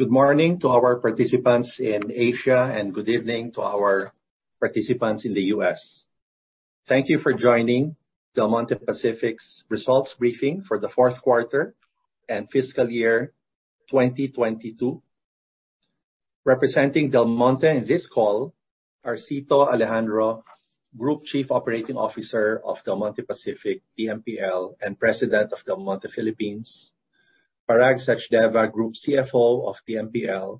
Good morning to our participants in Asia, and good evening to our participants in the U.S. Thank you for joining Del Monte Pacific's results briefing for the fourth quarter and fiscal year 2022. Representing Del Monte in this call are Cito Alejandro, Group Chief Operating Officer of Del Monte Pacific, DMPL, and President of Del Monte Philippines, Parag Sachdeva, Group CFO of DMPL,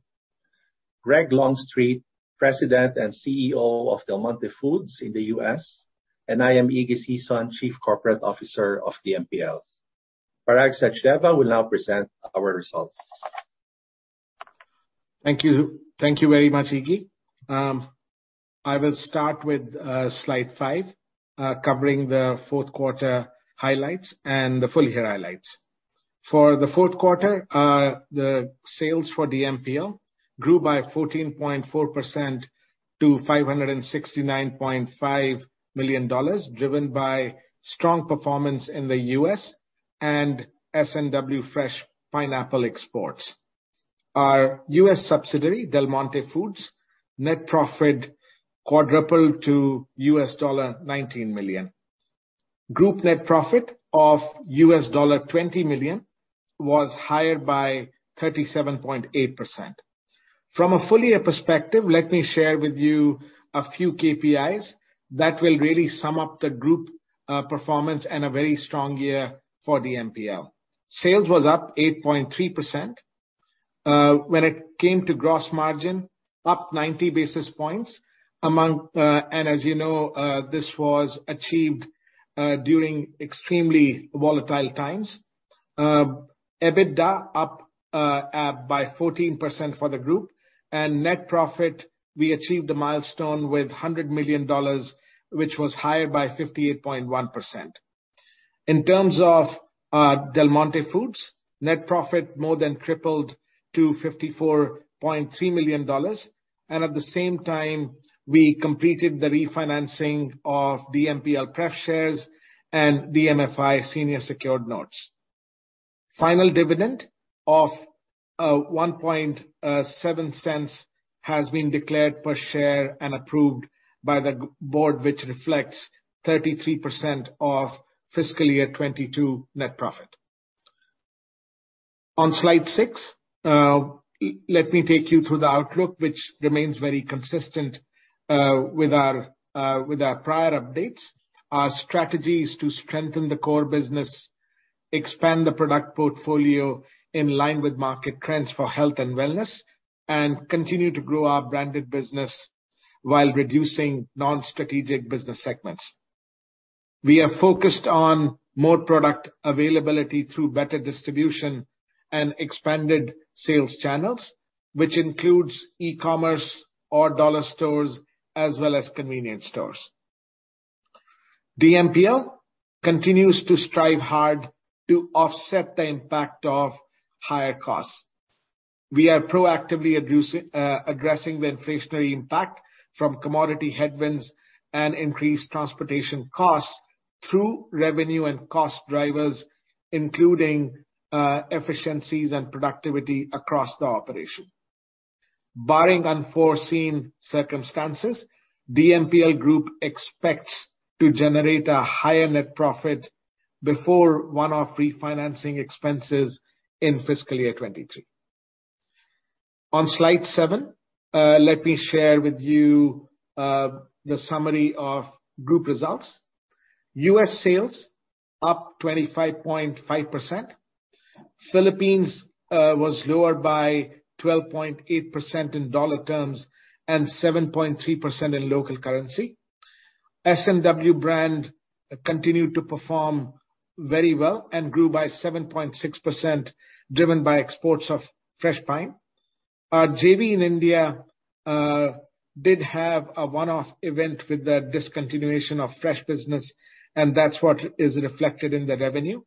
Greg Longstreet, President and CEO of Del Monte Foods in the U.S., and I am Iggy Sison, Chief Corporate Officer of DMPL. Parag Sachdeva will now present our results. Thank you. Thank you very much, Iggy. I will start with slide five, covering the fourth quarter highlights and the full year highlights. For the fourth quarter, the sales for DMPL grew by 14.4% to $569.5 million, driven by strong performance in the U.S. and S&W fresh pineapple exports. Our U.S. subsidiary, Del Monte Foods, net profit quadrupled to $19 million. Group net profit of $20 million was higher by 37.8%. From a full year perspective, let me share with you a few KPIs that will really sum up the group performance and a very strong year for DMPL. Sales was up 8.3%. When it came to gross margin, up 90 basis points. As you know, this was achieved during extremely volatile times. EBITDA up by 14% for the group. Net profit, we achieved a milestone with $100 million, which was higher by 58.1%. In terms of Del Monte Foods, net profit more than tripled to $54.3 million. At the same time, we completed the refinancing of DMPL pref shares and DMFI senior secured notes. Final dividend of $0.017 has been declared per share and approved by the Group board, which reflects 33% of fiscal year 2022 net profit. On slide six, let me take you through the outlook, which remains very consistent with our prior updates. Our strategy is to strengthen the core business, expand the product portfolio in line with market trends for health and wellness, and continue to grow our branded business while reducing non-strategic business segments. We are focused on more product availability through better distribution and expanded sales channels, which includes e-commerce or dollar stores as well as convenience stores. DMPL continues to strive hard to offset the impact of higher costs. We are proactively addressing the inflationary impact from commodity headwinds and increased transportation costs through revenue and cost drivers, including efficiencies and productivity across the operation. Barring unforeseen circumstances, DMPL Group expects to generate a higher net profit before one-off refinancing expenses in fiscal year 2023. On slide seven, let me share with you the summary of group results. U.S. sales up 25.5%. Philippines was lower by 12.8% in dollar terms and 7.3% in local currency. S&W brand continued to perform very well and grew by 7.6%, driven by exports of fresh pineapple. Our JV in India did have a one-off event with the discontinuation of fresh business, and that's what is reflected in the revenue.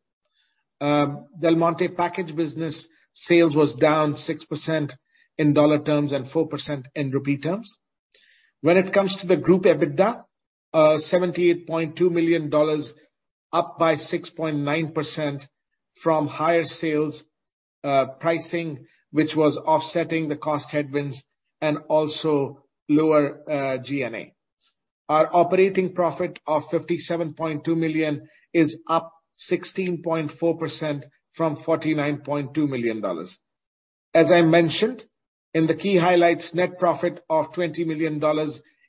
Del Monte package business sales was down 6% in dollar terms and 4% in rupee terms. When it comes to the group EBITDA, $78.2 million, up by 6.9% from higher sales, pricing, which was offsetting the cost headwinds and also lower G&A. Our operating profit of $57.2 million is up 16.4% from $49.2 million. As I mentioned in the key highlights, net profit of $20 million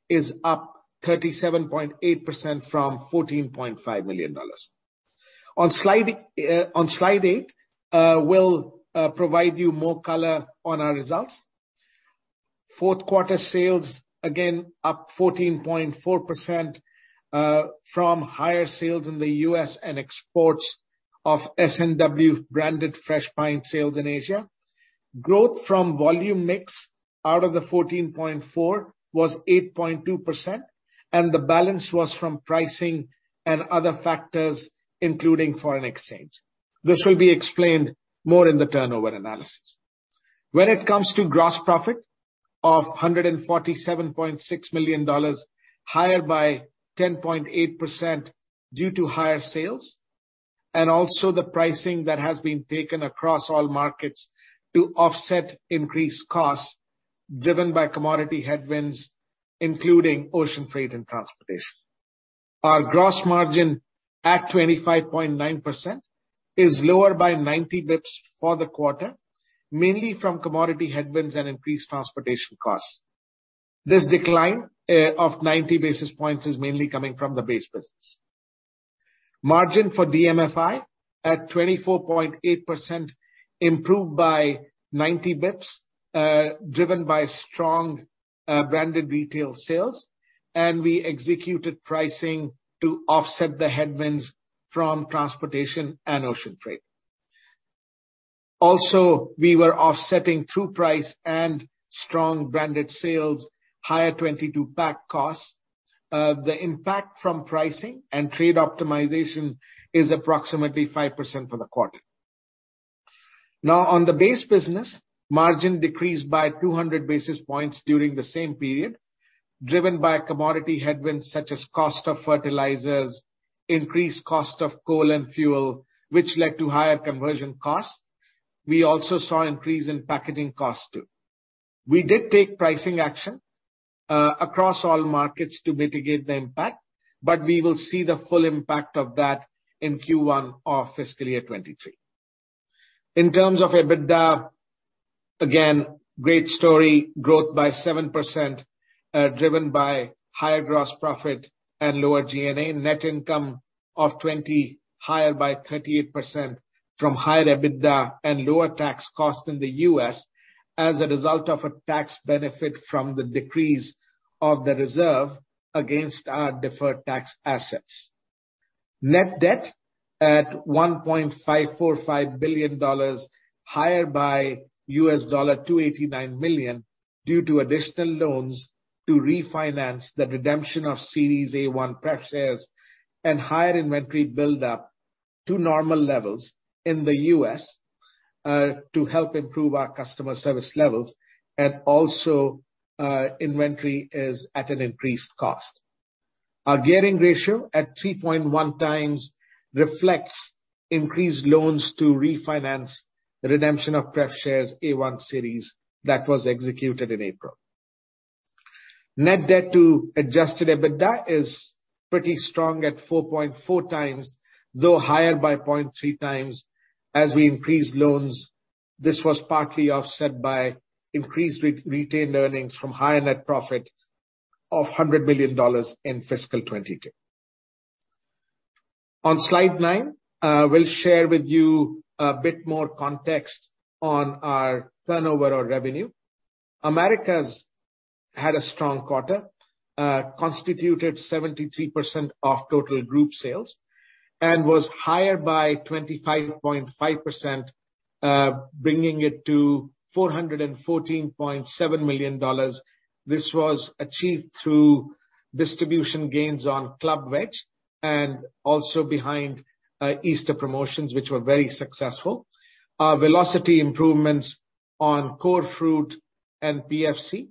is up 37.8% from $14.5 million. On slide eight, we'll provide you more color on our results. Fourth quarter sales, again, up 14.4%, from higher sales in the U.S. and exports of S&W branded fresh pineapple sales in Asia. Growth from volume mix out of the 14.4% was 8.2%, and the balance was from pricing and other factors, including foreign exchange. This will be explained more in the turnover analysis. When it comes to gross profit of $147.6 million, higher by 10.8% due to higher sales. Also, the pricing that has been taken across all markets to offset increased costs driven by commodity headwinds, including ocean freight and transportation. Our gross margin at 25.9% is lower by 90 basis points for the quarter, mainly from commodity headwinds and increased transportation costs. This decline of 90 basis points is mainly coming from the base business. Margin for DMFI at 24.8% improved by 90 basis points, driven by strong branded retail sales, and we executed pricing to offset the headwinds from transportation and ocean freight. Also, we were offsetting through price and strong branded sales, higher 22-pack costs. The impact from pricing and trade optimization is approximately 5% for the quarter. Now, on the base business, margin decreased by 200 basis points during the same period, driven by commodity headwinds such as cost of fertilizers, increased cost of coal and fuel, which led to higher conversion costs. We also saw increase in packaging costs too. We did take pricing action across all markets to mitigate the impact, but we will see the full impact of that in Q1 of fiscal year 2023. In terms of EBITDA, again, great story, growth by 7%, driven by higher gross profit and lower G&A. Net income of $20 million, higher by 38% from higher EBITDA and lower tax costs in the U.S. as a result of a tax benefit from the decrease of the reserve against our deferred tax assets. Net debt at $1.545 billion, higher by $289 million due to additional loans to refinance the redemption of Series A-1 pref shares and higher inventory build-up to normal levels in the U.S., to help improve our customer service levels. Inventory is at an increased cost. Our gearing ratio at 3.1x reflects increased loans to refinance the redemption of preferred shares Series A-1 that was executed in April. Net debt to adjusted EBITDA is pretty strong at 4.4x, though higher by 0.3x as we increased loans. This was partly offset by increased retained earnings from higher net profit of $100 million in fiscal 2022. On slide nine, we'll share with you a bit more context on our turnover or revenue. Americas had a strong quarter, constituted 73% of total group sales and was higher by 25.5%, bringing it to $414.7 million. This was achieved through distribution gains on Club Wedge and also behind Easter promotions, which were very successful. Our velocity improvements on core fruit and PFC.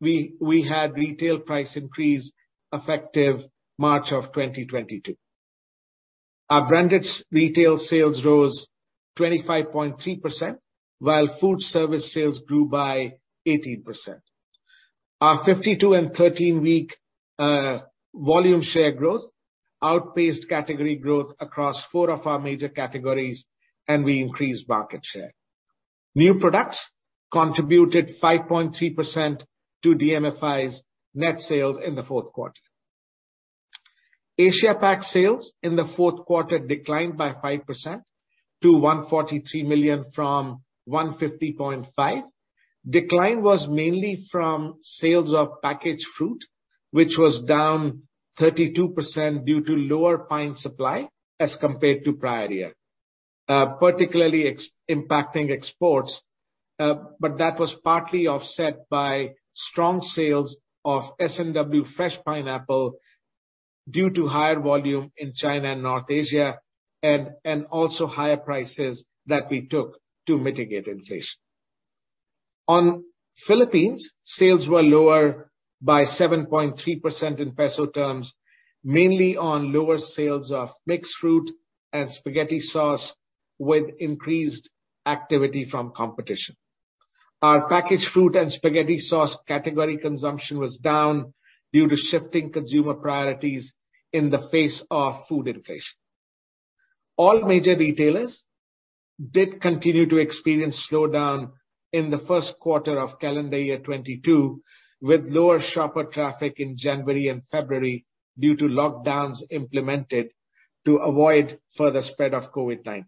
We had retail price increase effective March of 2022. Our branded retail sales rose 25.3%, while food service sales grew by 18%. Our 52- and 13-week volume share growth outpaced category growth across four of our major categories, and we increased market share. New products contributed 5.3% to DMFI's net sales in the fourth quarter. Asia PAC sales in the fourth quarter declined by 5% to $143 million from $150.5 million. Decline was mainly from sales of packaged fruit, which was down 32% due to lower pineapple supply as compared to prior year, particularly impacting exports. But that was partly offset by strong sales of S&W fresh pineapple due to higher volume in China and North Asia and also higher prices that we took to mitigate inflation. In the Philippines, sales were lower by 7.3% in peso terms, mainly on lower sales of mixed fruit and spaghetti sauce with increased activity from competition. Our packaged fruit and spaghetti sauce category consumption was down due to shifting consumer priorities in the face of food inflation. All major retailers did continue to experience slowdown in the first quarter of calendar year 2022, with lower shopper traffic in January and February due to lockdowns implemented to avoid further spread of COVID-19.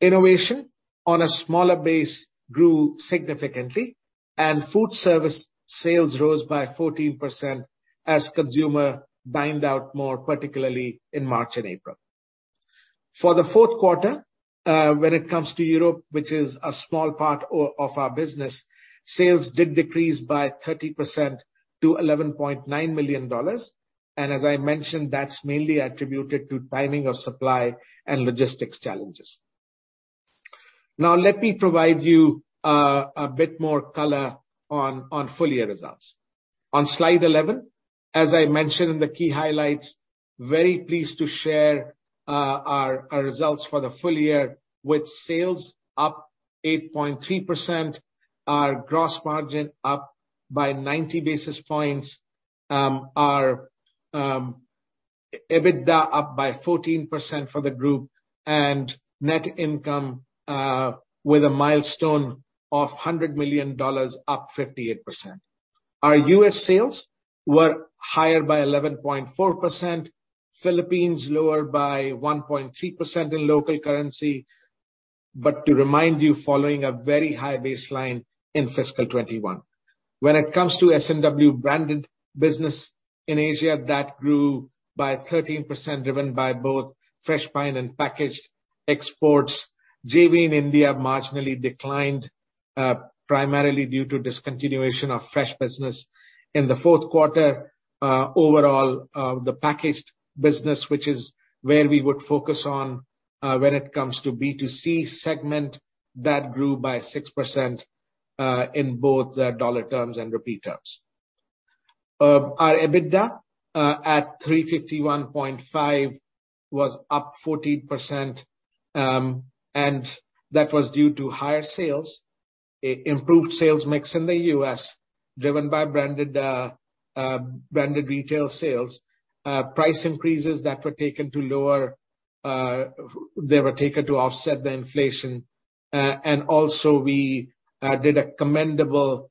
Innovation on a smaller base grew significantly, and food service sales rose by 14% as consumers dined out more, particularly in March and April. For the fourth quarter, when it comes to Europe, which is a small part of our business, sales did decrease by 30% to $11.9 million. As I mentioned, that's mainly attributed to timing of supply and logistics challenges. Now let me provide you a bit more color on full year results. On slide 11, as I mentioned in the key highlights, very pleased to share our results for the full year with sales up 8.3%, our gross margin up by 90 basis points, our EBITDA up by 14% for the group, and net income with a milestone of $100 million up 58%. Our U.S. sales were higher by 11.4%. Philippines lower by 1.3% in local currency. To remind you, following a very high baseline in fiscal 2021. When it comes to S&W branded business in Asia, that grew by 13% driven by both fresh pineapple and packaged exports. JV in India marginally declined, primarily due to discontinuation of fresh business. In the fourth quarter, overall, the packaged business, which is where we would focus on, when it comes to B2C segment, that grew by 6% in both dollar terms and rupee terms. Our EBITDA at $351.5 was up 14%, and that was due to higher sales, improved sales mix in the U.S. driven by branded retail sales, price increases that were taken to offset the inflation. Also we did a commendable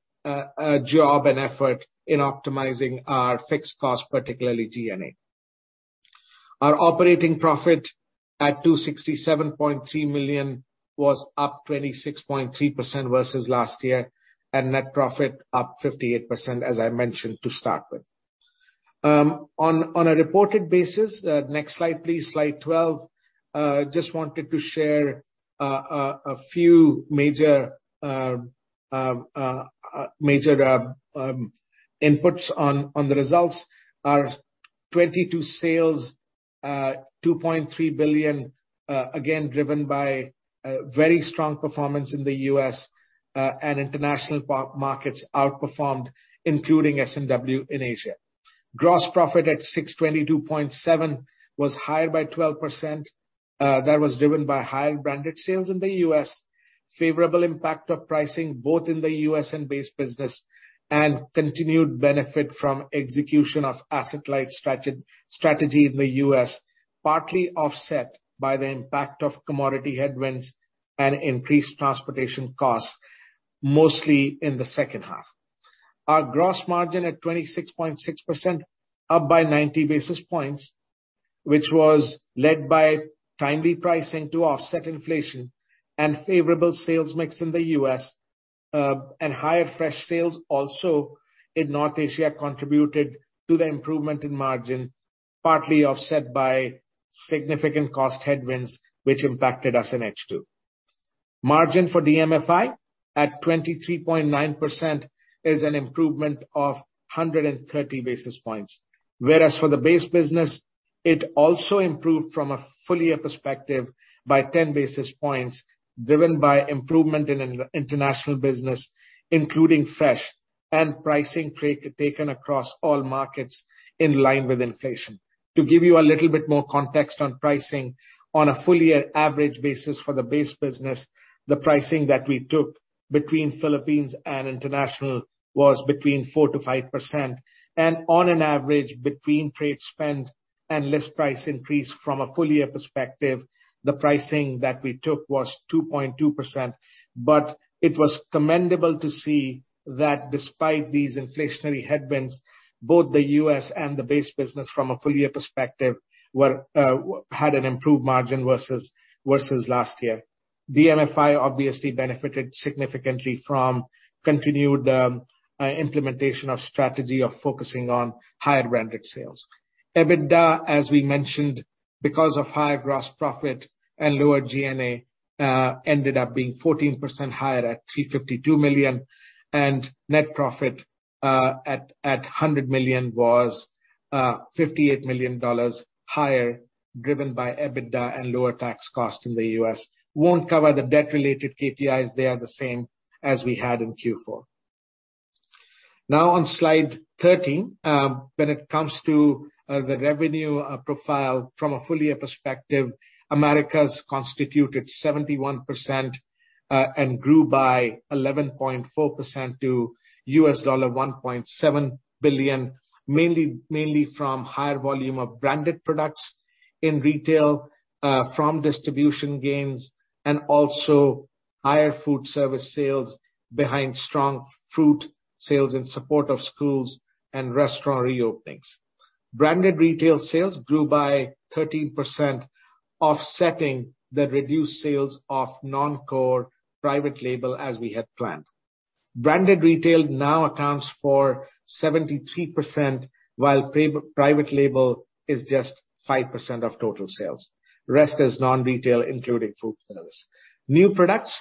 job and effort in optimizing our fixed cost, particularly G&A. Our operating profit at $267.3 million was up 26.3% versus last year, and net profit up 58%, as I mentioned to start with. On a reported basis. Next slide, please. Slide 12. Just wanted to share a few major inputs on the results. Our 2022 sales $2.3 billion, again, driven by very strong performance in the U.S. and international markets outperformed, including S&W in Asia. Gross profit at $622.7 million was higher by 12%. That was driven by higher branded sales in the U.S., favorable impact of pricing both in the U.S. and base business, and continued benefit from execution of asset-light strategy in the U.S., partly offset by the impact of commodity headwinds and increased transportation costs, mostly in the second half. Our gross margin at 26.6%, up by 90 basis points, which was led by timely pricing to offset inflation and favorable sales mix in the U.S., and higher fresh sales also in North Asia contributed to the improvement in margin, partly offset by significant cost headwinds which impacted us in H2. Margin for DMFI at 23.9% is an improvement of 130 basis points. Whereas for the base business, it also improved from a full year perspective by 10 basis points driven by improvement in international business, including fresh and pricing taken across all markets in line with inflation. To give you a little bit more context on pricing on a full year average basis for the base business, the pricing that we took between Philippines and international was between 4%-5%. On an average between trade spend and list price increase from a full year perspective, the pricing that we took was 2.2%. It was commendable to see that despite these inflationary headwinds, both the U.S. and the base business from a full year perspective had an improved margin versus last year. DMFI obviously benefited significantly from continued implementation of strategy of focusing on higher branded sales. EBITDA, as we mentioned, because of higher gross profit and lower G&A, ended up being 14% higher at $352 million, and net profit at $100 million was $58 million higher, driven by EBITDA and lower tax costs in the U.S. Won't cover the debt related KPIs, they are the same as we had in Q4. Now on slide 13, when it comes to the revenue profile from a full year perspective, Americas constituted 71%, and grew by 11.4% to $1.7 billion, mainly from higher volume of branded products in retail, from distribution gains and also higher food service sales behind strong fruit sales in support of schools and restaurant re-openings. Branded retail sales grew by 13%, offsetting the reduced sales of non-core private label as we had planned. Branded retail now accounts for 73%, while private label is just 5% of total sales. The rest is non-retail, including food service. New products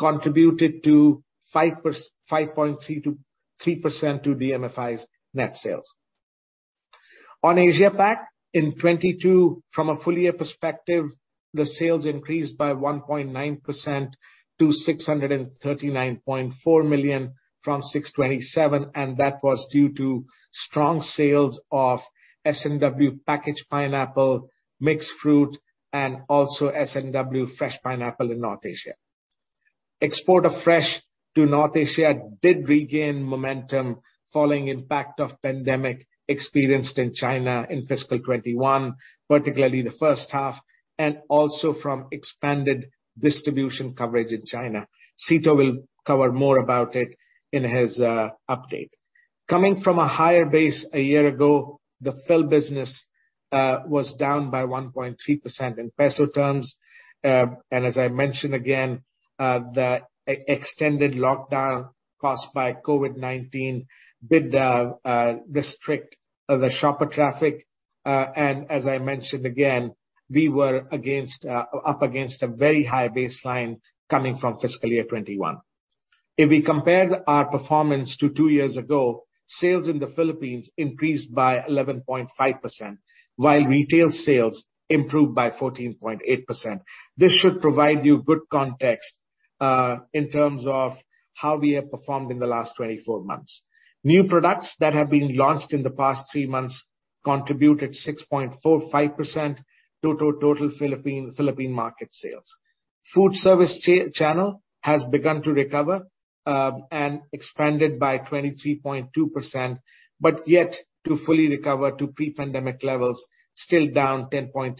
contributed 5.3%-3% to DMFI's net sales. On Asia Pac, in 2022, from a full year perspective, the sales increased by 1.9% to $639.4 million from $627 million, and that was due to strong sales of S&W packaged pineapple, mixed fruit, and also S&W fresh pineapple in North Asia. Export of fresh to North Asia did regain momentum following impact of pandemic experienced in China in fiscal 2021, particularly the first half, and also from expanded distribution coverage in China. Cito will cover more about it in his update. Coming from a higher base a year ago, the Philippine business was down by 1.3% in peso terms. As I mentioned again, the extended lockdown caused by COVID-19 did restrict the shopper traffic. As I mentioned again, we were up against a very high baseline coming from fiscal year 2021. If we compare our performance to two years ago, sales in the Philippines increased by 11.5%, while retail sales improved by 14.8%. This should provide you good context in terms of how we have performed in the last 24 months. New products that have been launched in the past three months contributed 6.45% to total Philippine market sales. Food service channel has begun to recover, and expanded by 23.2%, but yet to fully recover to pre-pandemic levels, still down 10.3%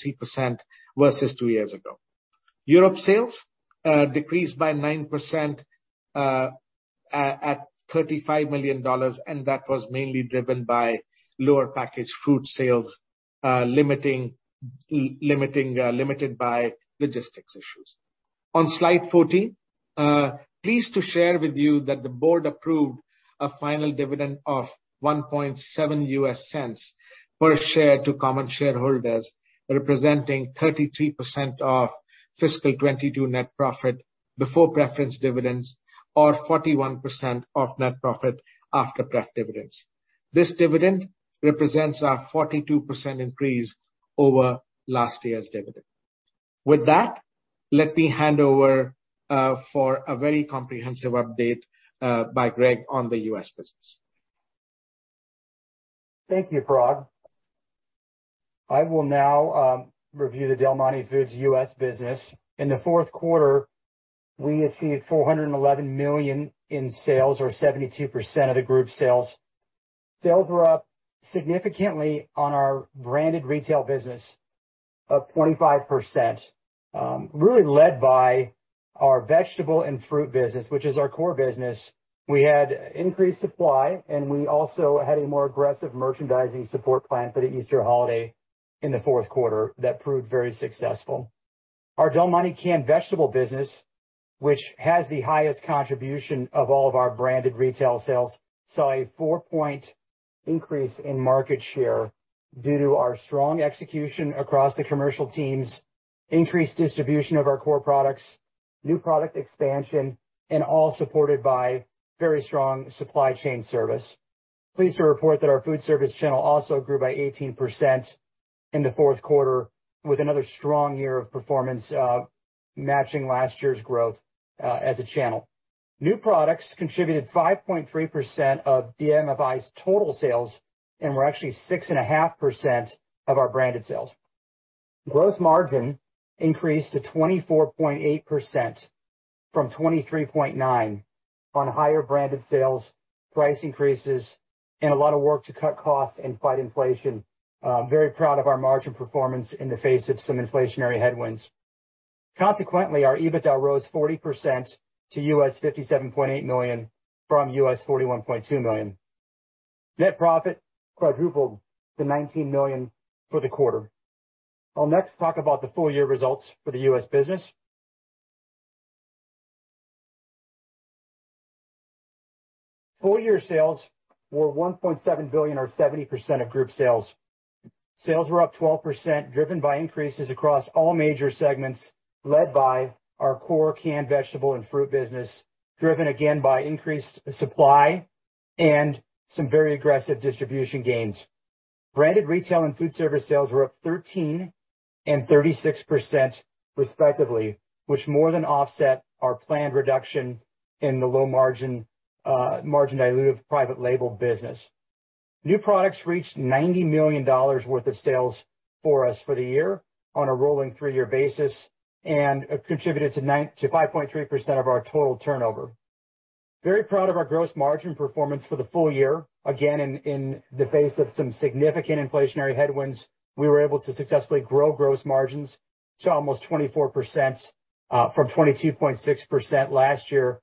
versus two years ago. Europe sales decreased by 9%, at $35 million, and that was mainly driven by lower packaged food sales, limited by logistics issues. On slide 14, pleased to share with you that the board approved a final dividend of $0.017 per share to common shareholders, representing 33% of fiscal 2022 net profit before preference dividends or 41% of net profit after pref dividends. This dividend represents a 42% increase over last year's dividend. With that, let me hand over for a very comprehensive update by Greg on the U.S. business. Thank you, Parag. I will now review the Del Monte Foods U.S. business. In the fourth quarter, we achieved $411 million in sales or 72% of the group sales. Sales were up significantly on our branded retail business of 25%, really led by our vegetable and fruit business, which is our core business. We had increased supply, and we also had a more aggressive merchandising support plan for the Easter holiday in the fourth quarter that proved very successful. Our Del Monte canned vegetable business, which has the highest contribution of all of our branded retail sales, saw a 4-point increase in market share due to our strong execution across the commercial teams, increased distribution of our core products, new product expansion, and all supported by very strong supply chain service. Pleased to report that our food service channel also grew by 18% in the fourth quarter with another strong year of performance, matching last year's growth as a channel. New products contributed 5.3% of DMFI's total sales and were actually 6.5% of our branded sales. Gross margin increased to 24.8% from 23.9% on higher branded sales, price increases, and a lot of work to cut costs and fight inflation. Very proud of our margin performance in the face of some inflationary headwinds. Consequently, our EBITDA rose 40% to $57.8 million from $41.2 million. Net profit quadrupled to $19 million for the quarter. I'll next talk about the full year results for the U.S. business. Full year sales were $1.7 billion or 70% of group sales. Sales were up 12%, driven by increases across all major segments, led by our core canned vegetable and fruit business, driven again by increased supply and some very aggressive distribution gains. Branded retail and food service sales were up 13% and 36% respectively, which more than offset our planned reduction in the low margin dilutive private label business. New products reached $90 million worth of sales for us for the year on a rolling three-year basis and contributed to 5.3% of our total turnover. Very proud of our gross margin performance for the full year. Again, in the face of some significant inflationary headwinds, we were able to successfully grow gross margins to almost 24% from 22.6% last year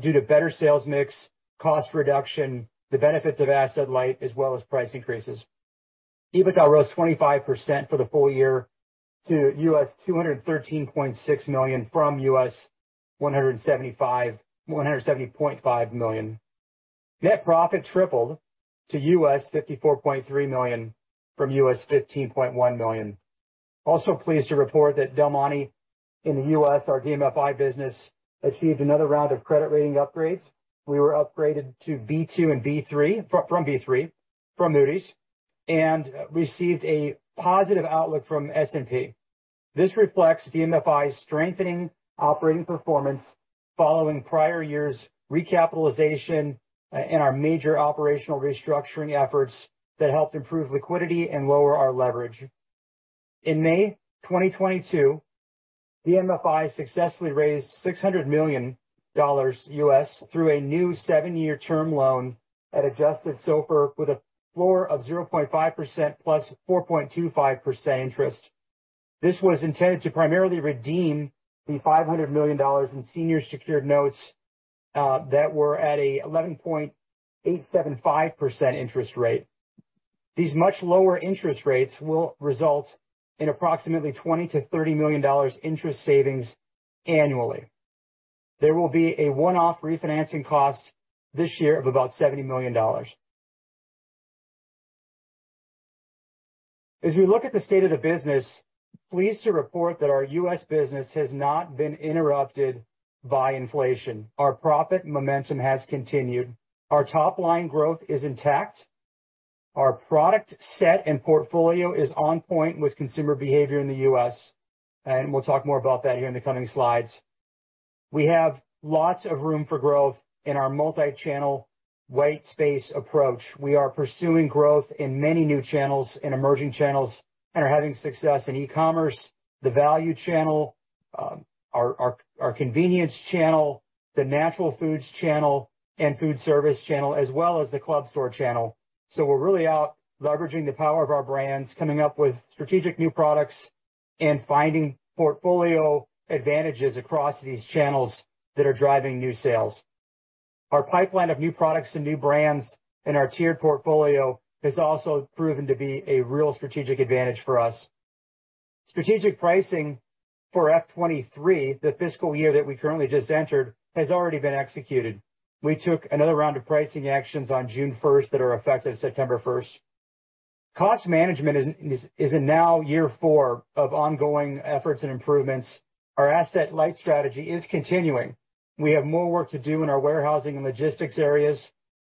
due to better sales mix, cost reduction, the benefits of asset-light, as well as price increases. EBITDA rose 25% for the full year to $213.6 million from $170.5 million. Net profit tripled to $54.3 million from $15.1 million. Also pleased to report that Del Monte in the U.S., our DMFI business, achieved another round of credit rating upgrades. We were upgraded to B2 and B3 from B3 from Moody's, and received a positive outlook from S&P. This reflects DMFI's strengthening operating performance following prior years' recapitalization and our major operational restructuring efforts that helped improve liquidity and lower our leverage. In May 2022, DMFI successfully raised $600 million through a new seven-year term loan at adjusted SOFR with a floor of 0.5% plus 4.25% interest. This was intended to primarily redeem the $500 million in senior secured notes that were at a 11.875% interest rate. These much lower interest rates will result in approximately $20 million-$30 million interest savings annually. There will be a one-off refinancing cost this year of about $70 million. As we look at the state of the business, pleased to report that our U.S. business has not been interrupted by inflation. Our profit momentum has continued. Our top-line growth is intact. Our product set and portfolio is on point with consumer behavior in the U.S., and we'll talk more about that here in the coming slides. We have lots of room for growth in our multi-channel white space approach. We are pursuing growth in many new channels and emerging channels, and are having success in e-commerce, the value channel, our convenience channel, the natural foods channel and food service channel, as well as the club store channel. We're really out leveraging the power of our brands, coming up with strategic new products and finding portfolio advantages across these channels that are driving new sales. Our pipeline of new products and new brands and our tiered portfolio has also proven to be a real strategic advantage for us. Strategic pricing for FY 2023, the fiscal year that we currently just entered, has already been executed. We took another round of pricing actions on June first that are effective September first. Cost management is now in year four of ongoing efforts and improvements. Our asset-light strategy is continuing. We have more work to do in our warehousing and logistics areas.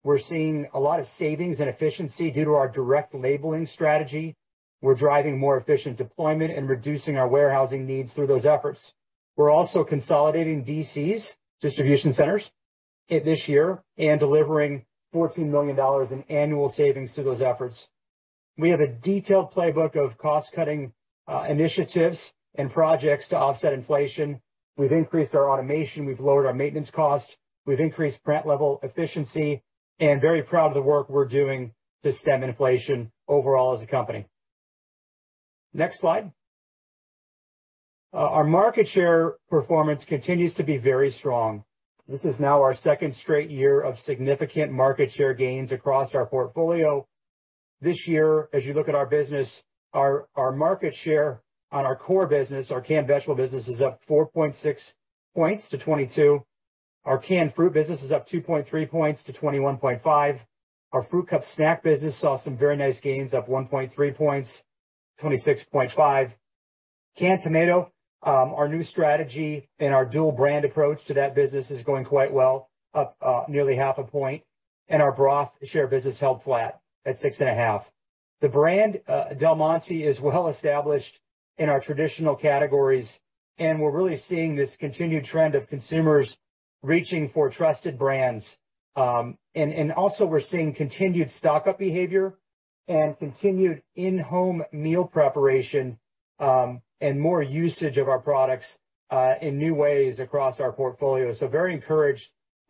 We're seeing a lot of savings and efficiency due to our direct labeling strategy. We're driving more efficient deployment and reducing our warehousing needs through those efforts. We're also consolidating DCs, distribution centers, this year and delivering $14 million in annual savings through those efforts. We have a detailed playbook of cost-cutting initiatives and projects to offset inflation. We've increased our automation, we've lowered our maintenance costs, we've increased plant level efficiency and very proud of the work we're doing to stem inflation overall as a company. Next slide. Our market share performance continues to be very strong. This is now our second straight year of significant market share gains across our portfolio. This year, as you look at our business, our market share on our core business, our canned vegetable business, is up 4.6 points to 22%. Our canned fruit business is up 2.3 points to 21.5%. Our fruit cup snack business saw some very nice gains, up 1.3 points, 26.5%. Canned tomato, our new strategy and our dual brand approach to that business is going quite well, up nearly half a point. Our broth share business held flat at 6.5%. The brand, Del Monte is well established in our traditional categories, and we're really seeing this continued trend of consumers reaching for trusted brands. We're seeing continued stock-up behavior and continued in-home meal preparation, and more usage of our products in new ways across our portfolio. Very encouraged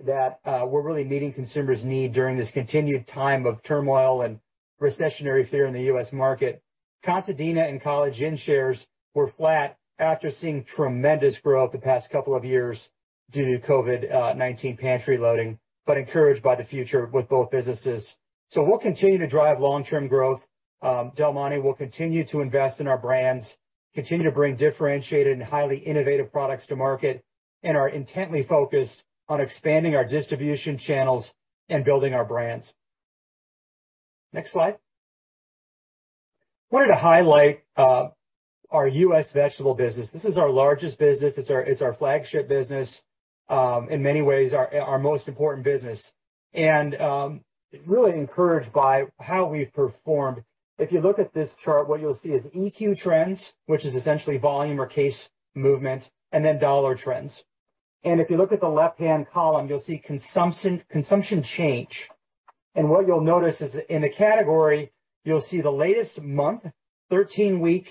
that we're really meeting consumers' need during this continued time of turmoil and recessionary fear in the U.S. market. Contadina and College Inn shares were flat after seeing tremendous growth the past couple of years due to COVID-19 pantry loading, but encouraged by the future with both businesses. We'll continue to drive long-term growth. Del Monte will continue to invest in our brands, continue to bring differentiated and highly innovative products to market, and are intently focused on expanding our distribution channels and building our brands. Next slide. Wanted to highlight our U.S. vegetable business. This is our largest business. It's our flagship business in many ways our most important business. Really encouraged by how we've performed. If you look at this chart, what you'll see is EQ trends, which is essentially volume or case movement, and then dollar trends. If you look at the left-hand column, you'll see consumption change. What you'll notice is in the category, you'll see the latest month, 13-week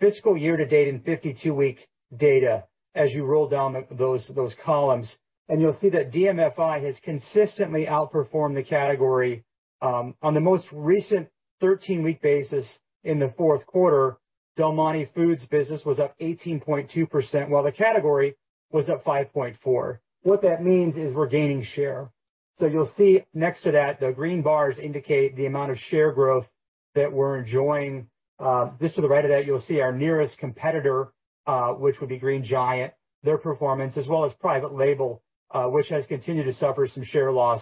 fiscal year-to-date in 52-week data as you roll down those columns. You'll see that DMFI has consistently outperformed the category. On the most recent 13-week basis in the fourth quarter, Del Monte Foods business was up 18.2% while the category was up 5.4%. What that means is we're gaining share. You'll see next to that, the green bars indicate the amount of share growth that we're enjoying. Just to the right of that, you'll see our nearest competitor, which would be Green Giant, their performance, as well as private label, which has continued to suffer some share loss.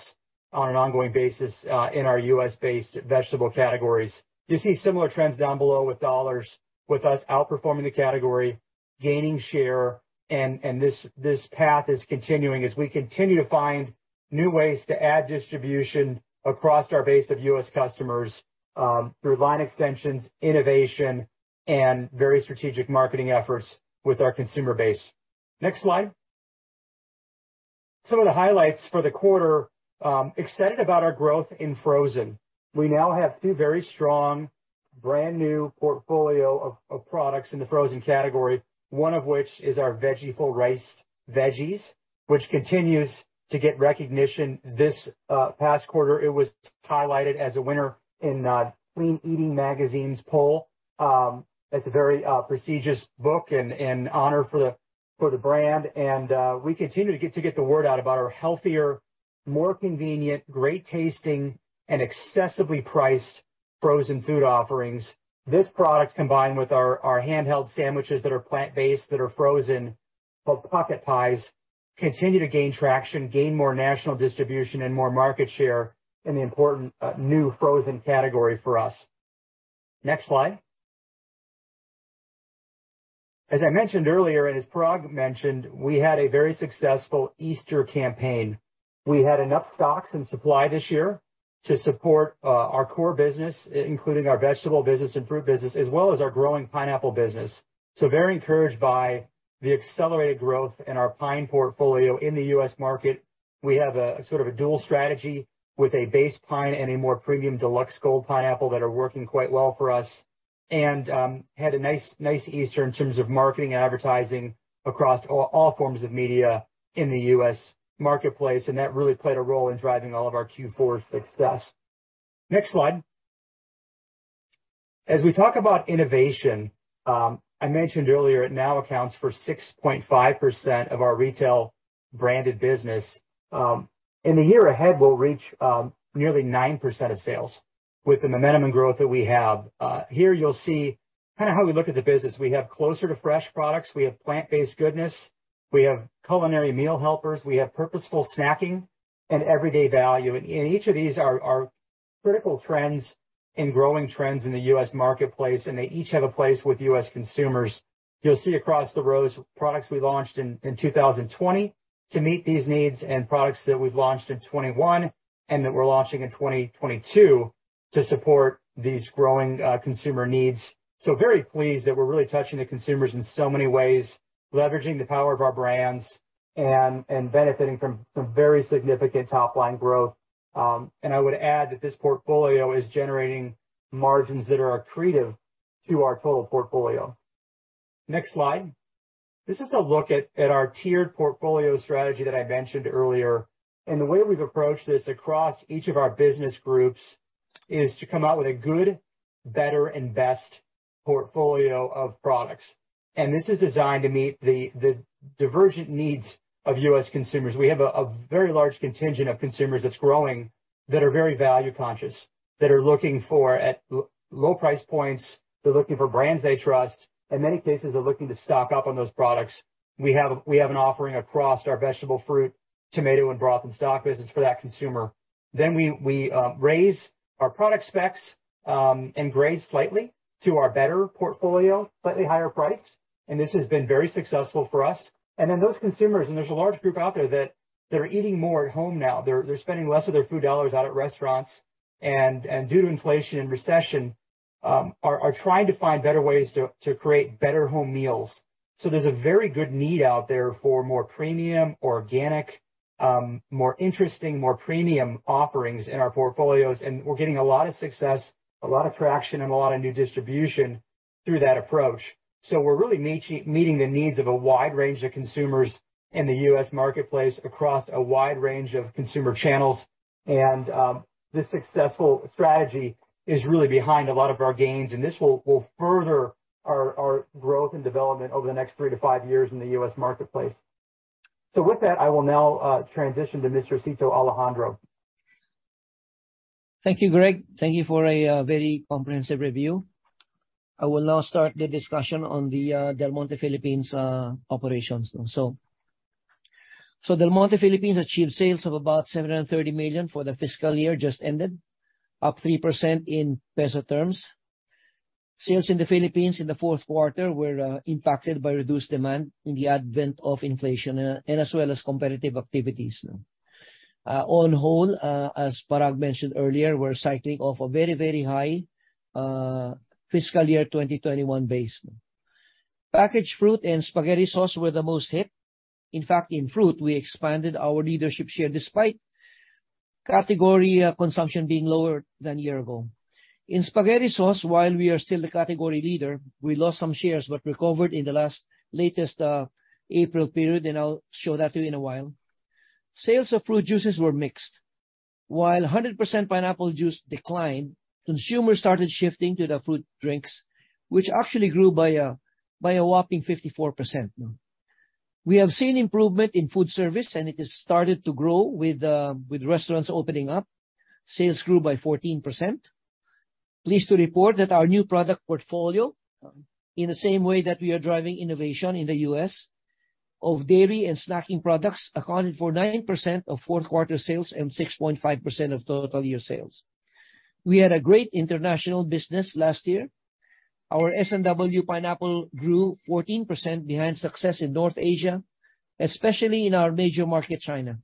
On an ongoing basis, in our U.S.-based vegetable categories. You see similar trends down below with dollars, with us outperforming the category, gaining share, and this path is continuing as we continue to find new ways to add distribution across our base of U.S. customers, through line extensions, innovation, and very strategic marketing efforts with our consumer base. Next slide. Some of the highlights for the quarter, excited about our growth in frozen. We now have two very strong brand-new portfolio of products in the frozen category, one of which is our Veggieful riced veggies, which continues to get recognition. This past quarter, it was highlighted as a winner in Clean Eating magazine's poll. It's a very prestigious book and honor for the brand. We continue to get the word out about our healthier, more convenient, great-tasting, and accessibly priced frozen food offerings. This product, combined with our handheld sandwiches that are plant-based, that are frozen, called Pocket Pies, continue to gain traction, gain more national distribution and more market share in the important new frozen category for us. Next slide. As I mentioned earlier, and as Parag mentioned, we had a very successful Easter campaign. We had enough stocks and supply this year to support our core business, including our vegetable business and fruit business, as well as our growing pineapple business. Very encouraged by the accelerated growth in our pineapple portfolio in the U.S. market. We have sort of a dual strategy with a base pineapple and a more premium Deluxe Gold pineapple that are working quite well for us. Had a nice Easter in terms of marketing and advertising across all forms of media in the U.S. marketplace, and that really played a role in driving all of our Q4 success. Next slide. As we talk about innovation, I mentioned earlier it now accounts for 6.5% of our retail branded business. In the year ahead, we'll reach nearly 9% of sales with the momentum and growth that we have. Here you'll see kinda how we look at the business. We have closer to fresh products. We have plant-based goodness. We have culinary meal helpers. We have purposeful snacking and everyday value. Each of these are critical trends and growing trends in the U.S. marketplace, and they each have a place with U.S. consumers. You'll see across the rows products we launched in 2020 to meet these needs and products that we've launched in 2021 and that we're launching in 2022 to support these growing consumer needs. Very pleased that we're really touching the consumers in so many ways, leveraging the power of our brands and benefiting from some very significant top-line growth. I would add that this portfolio is generating margins that are accretive to our total portfolio. Next slide. This is a look at our tiered portfolio strategy that I mentioned earlier. The way we've approached this across each of our business groups is to come out with a good, better, and best portfolio of products. This is designed to meet the divergent needs of U.S. consumers. We have a very large contingent of consumers that's growing that are very value-conscious, that are looking for at low price points, they're looking for brands they trust, in many cases, they're looking to stock up on those products. We have an offering across our vegetable, fruit, tomato, and broth and stock business for that consumer. We raise our product specs and grade slightly to our better portfolio, slightly higher priced. This has been very successful for us. Then those consumers, and there's a large group out there, that they're eating more at home now. They're spending less of their food dollars out at restaurants, and due to inflation and recession, are trying to find better ways to create better home meals. There's a very good need out there for more premium, organic, more interesting, more premium offerings in our portfolios, and we're getting a lot of success, a lot of traction, and a lot of new distribution through that approach. We're really meeting the needs of a wide range of consumers in the U.S. marketplace across a wide range of consumer channels. This successful strategy is really behind a lot of our gains, and this will further our growth and development over the next three to five years in the U.S. marketplace. With that, I will now transition to Mr. Cito Alejandro. Thank you, Greg. Thank you for a very comprehensive review. I will now start the discussion on the Del Monte Philippines operations. Del Monte Philippines achieved sales of about 730 million for the fiscal year just ended, up 3% in peso terms. Sales in the Philippines in the fourth quarter were impacted by reduced demand in the advent of inflation, and as well as competitive activities. On the whole, as Parag mentioned earlier, we're cycling off a very high fiscal year 2021 base. Packaged fruit and spaghetti sauce were the most hit. In fact, in fruit, we expanded our leadership share despite category consumption being lower than year ago. In spaghetti sauce, while we are still the category leader, we lost some shares, but recovered in the latest April period, and I'll show that to you in a while. Sales of fruit juices were mixed. While 100% pineapple juice declined, consumers started shifting to the fruit drinks, which actually grew by a whopping 54% now. We have seen improvement in food service, and it has started to grow with restaurants opening up. Sales grew by 14%. Pleased to report that our new product portfolio, in the same way that we are driving innovation in the U.S. with dairy and snacking products accounted for 9% of fourth quarter sales and 6.5% of total year sales. We had a great international business last year. Our S&W pineapple grew 14% behind success in North Asia, especially in our major market, China.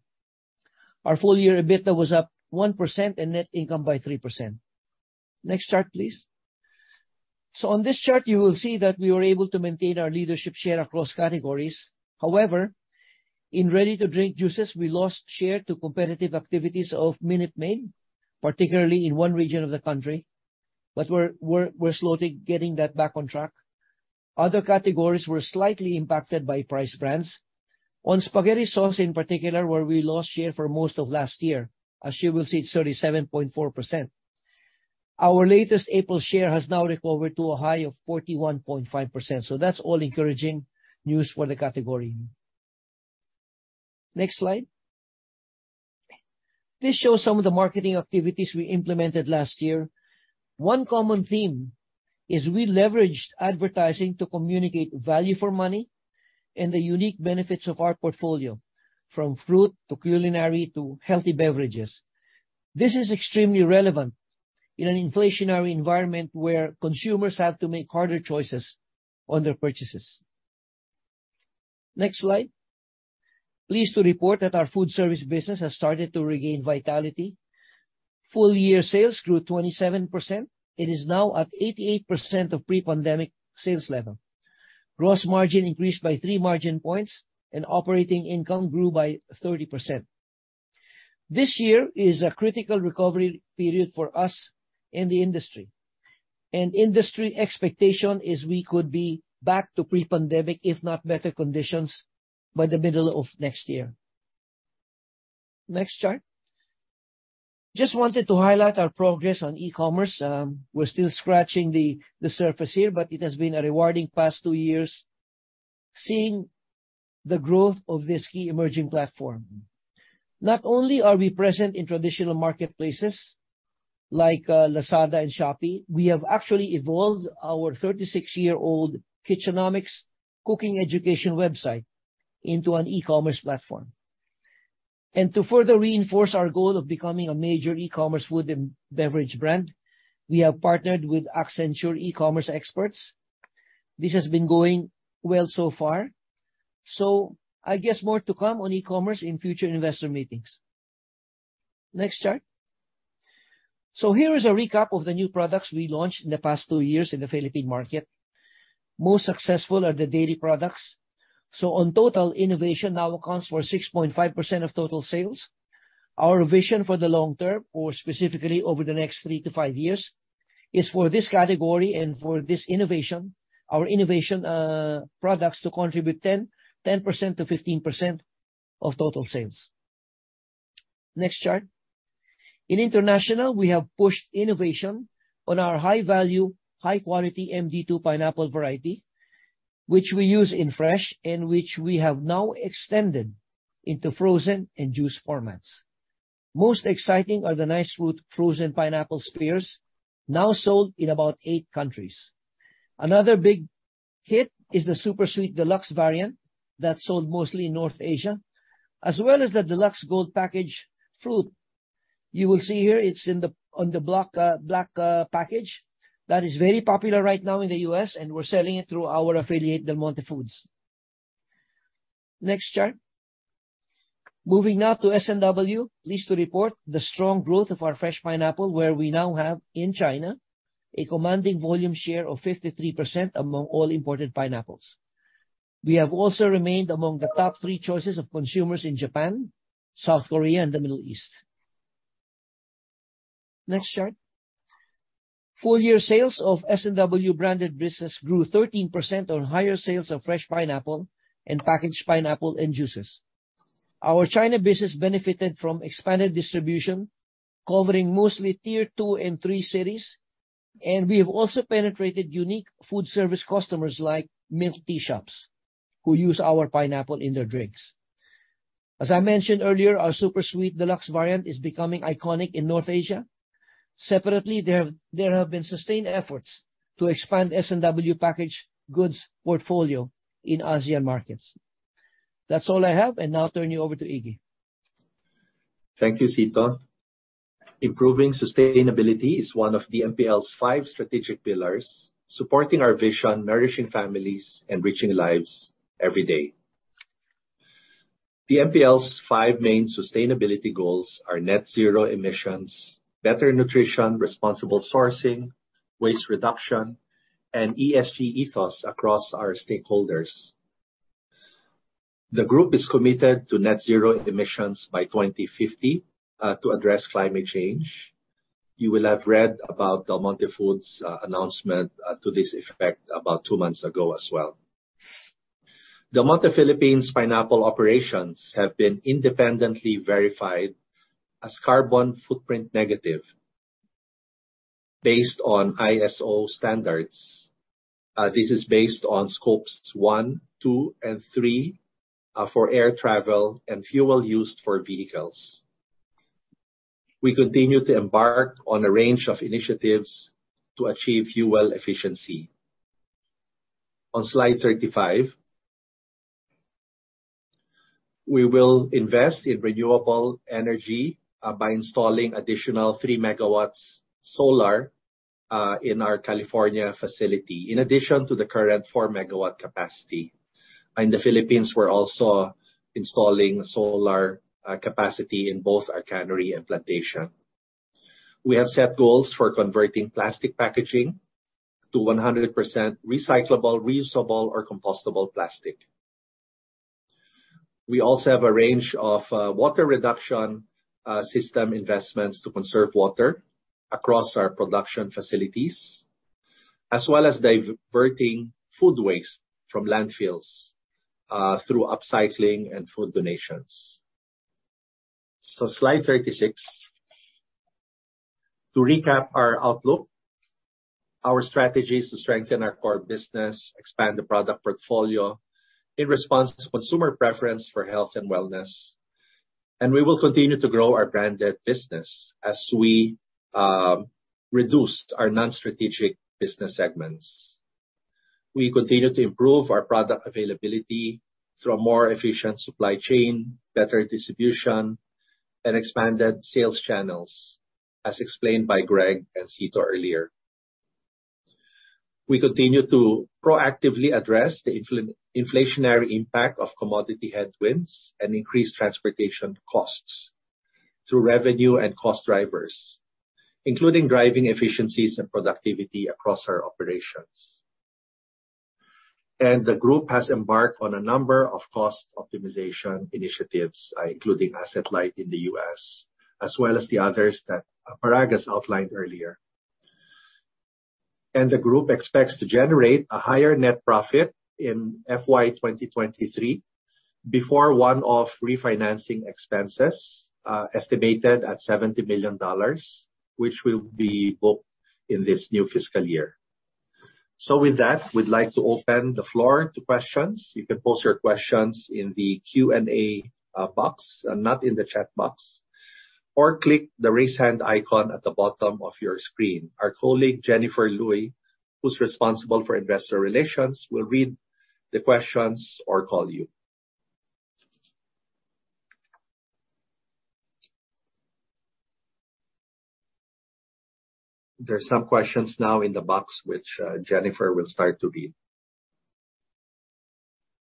Our full year EBITDA was up 1% and net income by 3%. Next chart, please. On this chart, you will see that we were able to maintain our leadership share across categories. However, in ready-to-drink juices, we lost share to competitive activities of Minute Maid, particularly in one region of the country. We're slowly getting that back on track. Other categories were slightly impacted by price brands. On spaghetti sauce, in particular, where we lost share for most of last year. As you will see, it's 37.4%. Our latest April share has now recovered to a high of 41.5%, so that's all encouraging news for the category. Next slide. This shows some of the marketing activities we implemented last year. One common theme is we leveraged advertising to communicate value for money and the unique benefits of our portfolio, from fruit to culinary to healthy beverages. This is extremely relevant in an inflationary environment where consumers have to make harder choices on their purchases. Next slide. Pleased to report that our food service business has started to regain vitality. Full year sales grew 27% and is now at 88% of pre-pandemic sales level. Gross margin increased by 3 margin points and operating income grew by 30%. This year is a critical recovery period for us and the industry. Industry expectation is we could be back to pre-pandemic, if not better conditions, by the middle of next year. Next chart. Just wanted to highlight our progress on e-commerce. We're still scratching the surface here, but it has been a rewarding past two years seeing the growth of this key emerging platform. Not only are we present in traditional marketplaces like Lazada and Shopee, we have actually evolved our 36-year-old Kitchenomics cooking education website into an e-commerce platform. To further reinforce our goal of becoming a major e-commerce food and beverage brand, we have partnered with Accenture e-commerce experts. This has been going well so far. I guess more to come on e-commerce in future investor meetings. Next chart. Here is a recap of the new products we launched in the past two years in the Philippine market. Most successful are the dairy products. In total, innovation now accounts for 6.5% of total sales. Our vision for the long term, or specifically over the next three to five years, is for this category and for this innovation, our innovation products to contribute 10%-15% of total sales. Next chart. In international, we have pushed innovation on our high value, high quality MD2 pineapple variety, which we use in fresh and which we have now extended into frozen and juice formats. Most exciting are the Nice Fruit frozen pineapple spears, now sold in about eight countries. Another big hit is the Super Sweet Deluxe variant that's sold mostly in North Asia, as well as the Deluxe Gold package fruit. You will see here it's on the black package that is very popular right now in the U.S., and we're selling it through our affiliate, Del Monte Foods. Next chart. Moving now to S&W. Pleased to report the strong growth of our fresh pineapple, where we now have, in China, a commanding volume share of 53% among all imported pineapples. We have also remained among the top three choices of consumers in Japan, South Korea, and the Middle East. Next chart. Full year sales of S&W-branded business grew 13% on higher sales of fresh pineapple and packaged pineapple and juices. Our China business benefited from expanded distribution, covering mostly tier two and three cities, and we have also penetrated unique food service customers like milk tea shops who use our pineapple in their drinks. As I mentioned earlier, our Super Sweet Deluxe variant is becoming iconic in North Asia. Separately, there have been sustained efforts to expand S&W packaged goods portfolio in ASEAN markets. That's all I have, and now I turn you over to Iggy. Thank you, Cito. Improving sustainability is one of DMPL's five strategic pillars, supporting our vision, nourishing families and reaching lives every day. DMPL's five main sustainability goals are net zero emissions, better nutrition, responsible sourcing, waste reduction, and ESG ethos across our stakeholders. The group is committed to net zero emissions by 2050 to address climate change. You will have read about Del Monte Foods, Inc.'s announcement to this effect about two months ago as well. Del Monte Philippines, Inc. pineapple operations have been independently verified as carbon footprint negative based on ISO standards. This is based on scopes one, two, and three for air travel and fuel used for vehicles. We continue to embark on a range of initiatives to achieve fuel efficiency. On slide 35. We will invest in renewable energy by installing additional 3-MW solar in our California facility, in addition to the current 4-MW capacity. In the Philippines, we're also installing solar capacity in both our cannery and plantation. We have set goals for converting plastic packaging to 100% recyclable, reusable or compostable plastic. We also have a range of water reduction system investments to conserve water across our production facilities, as well as diverting food waste from landfills through upcycling and food donations. Slide 36. To recap our outlook, our strategy is to strengthen our core business, expand the product portfolio in response to consumer preference for health and wellness, and we will continue to grow our branded business as we reduced our non-strategic business segments. We continue to improve our product availability through a more efficient supply chain, better distribution, and expanded sales channels, as explained by Greg and Cito earlier. We continue to proactively address the inflationary impact of commodity headwinds and increased transportation costs through revenue and cost drivers, including driving efficiencies and productivity across our operations. The group has embarked on a number of cost optimization initiatives, including asset-light in the U.S., as well as the others that Parag has outlined earlier. The group expects to generate a higher net profit in FY 2023 before one-off refinancing expenses, estimated at $70 million, which will be booked in this new fiscal year. With that, we'd like to open the floor to questions. You can post your questions in the Q&A box, not in the chat box, or click the Raise Hand icon at the bottom of your screen. Our colleague, Jennifer Luy, who's responsible for investor relations, will read the questions or call you. There's some questions now in the box, which, Jennifer will start to read.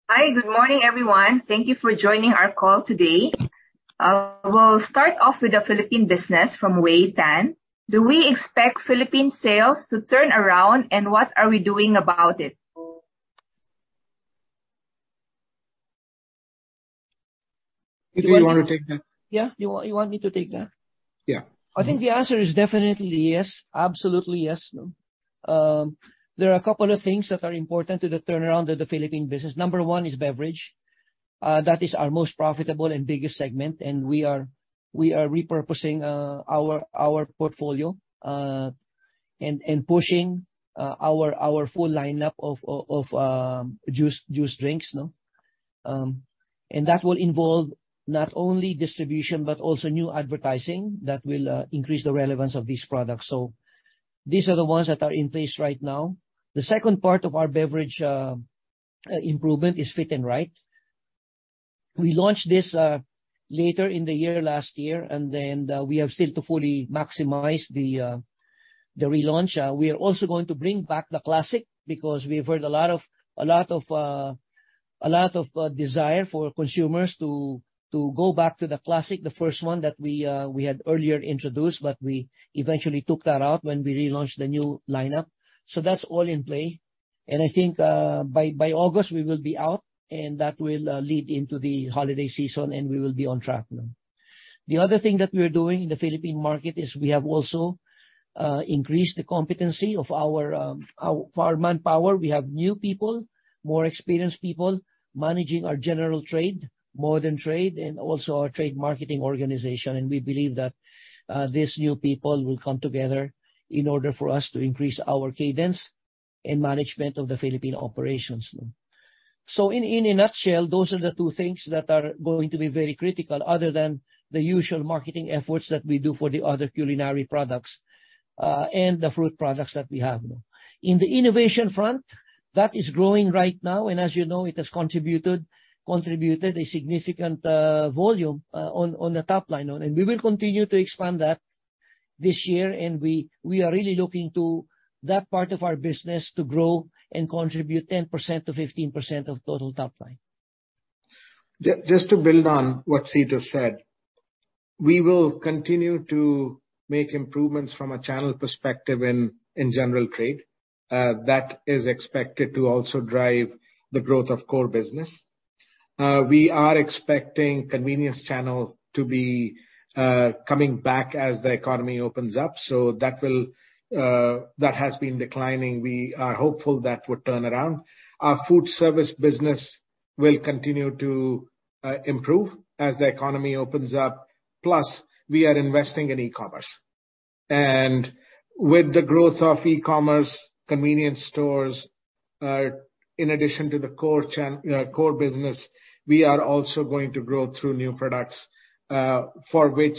Hi, good morning, everyone. Thank you for joining our call today. We'll start off with the Philippine business from [Wei Tan. Do we expect Philippine sales to turn around, and what are we doing about it? If you wanna take that. Yeah. You want me to take that? Yeah. I think the answer is definitely yes. Absolutely, yes. There are a couple of things that are important to the turnaround of the Philippine business. Number one is beverage. That is our most profitable and biggest segment, and we are repurposing our portfolio and pushing our full lineup of juice drinks. And that will involve not only distribution, but also new advertising that will increase the relevance of these products. These are the ones that are in place right now. The second part of our beverage improvement is Fit 'n Right. We launched this later in the year last year, and then we have still to fully maximize the relaunch. We are also going to bring back the classic because we've heard a lot of desire for consumers to go back to the classic, the first one that we had earlier introduced, but we eventually took that out when we relaunched the new lineup. That's all in play. I think by August, we will be out, and that will lead into the holiday season, and we will be on track. No? The other thing that we're doing in the Philippine market is we have also increased the competency of our manpower. We have new people, more experienced people managing our general trade, modern trade, and also our trade marketing organization. We believe that these new people will come together in order for us to increase our cadence and management of the Philippine operations. No? In a nutshell, those are the two things that are going to be very critical other than the usual marketing efforts that we do for the other culinary products and the fruit products that we have. No? In the innovation front, that is growing right now, and as you know, it has contributed a significant volume on the top line. We will continue to expand that this year, and we are really looking to that part of our business to grow and contribute 10%-15% of total top line. Just to build on what Cito said, we will continue to make improvements from a channel perspective in general trade. That is expected to also drive the growth of core business. We are expecting convenience channel to be coming back as the economy opens up, so that will, that has been declining. We are hopeful that would turn around. Our food service business will continue to improve as the economy opens up, plus we are investing in e-commerce. With the growth of e-commerce, convenience stores, in addition to the core business, we are also going to grow through new products, for which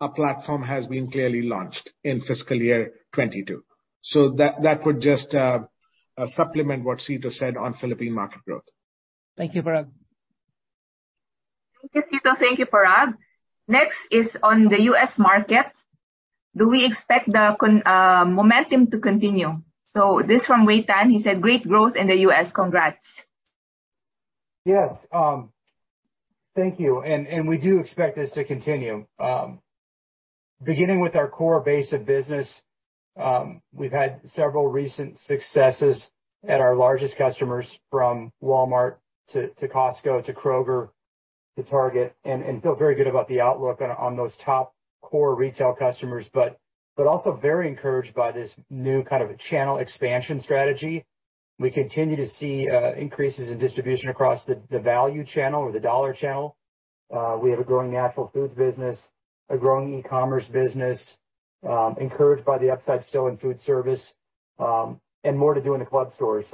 a platform has been clearly launched in fiscal year 2022. That would just supplement what Cito said on Philippine market growth. Thank you, Parag. Thank you, Cito. Thank you, Parag. Next is on the U.S. market. Do we expect the momentum to continue? This from Wei Tan. He said, "Great growth in the U.S. Congrats". Yes. Thank you. We do expect this to continue. Beginning with our core base of business, we've had several recent successes at our largest customers from Walmart to Costco to Kroger to Target, and feel very good about the outlook on those top core retail customers. We are also very encouraged by this new kind of channel expansion strategy. We continue to see increases in distribution across the value channel or the dollar channel. We have a growing natural foods business, a growing e-commerce business, encouraged by the upside still in food service, and more to do in the club stores.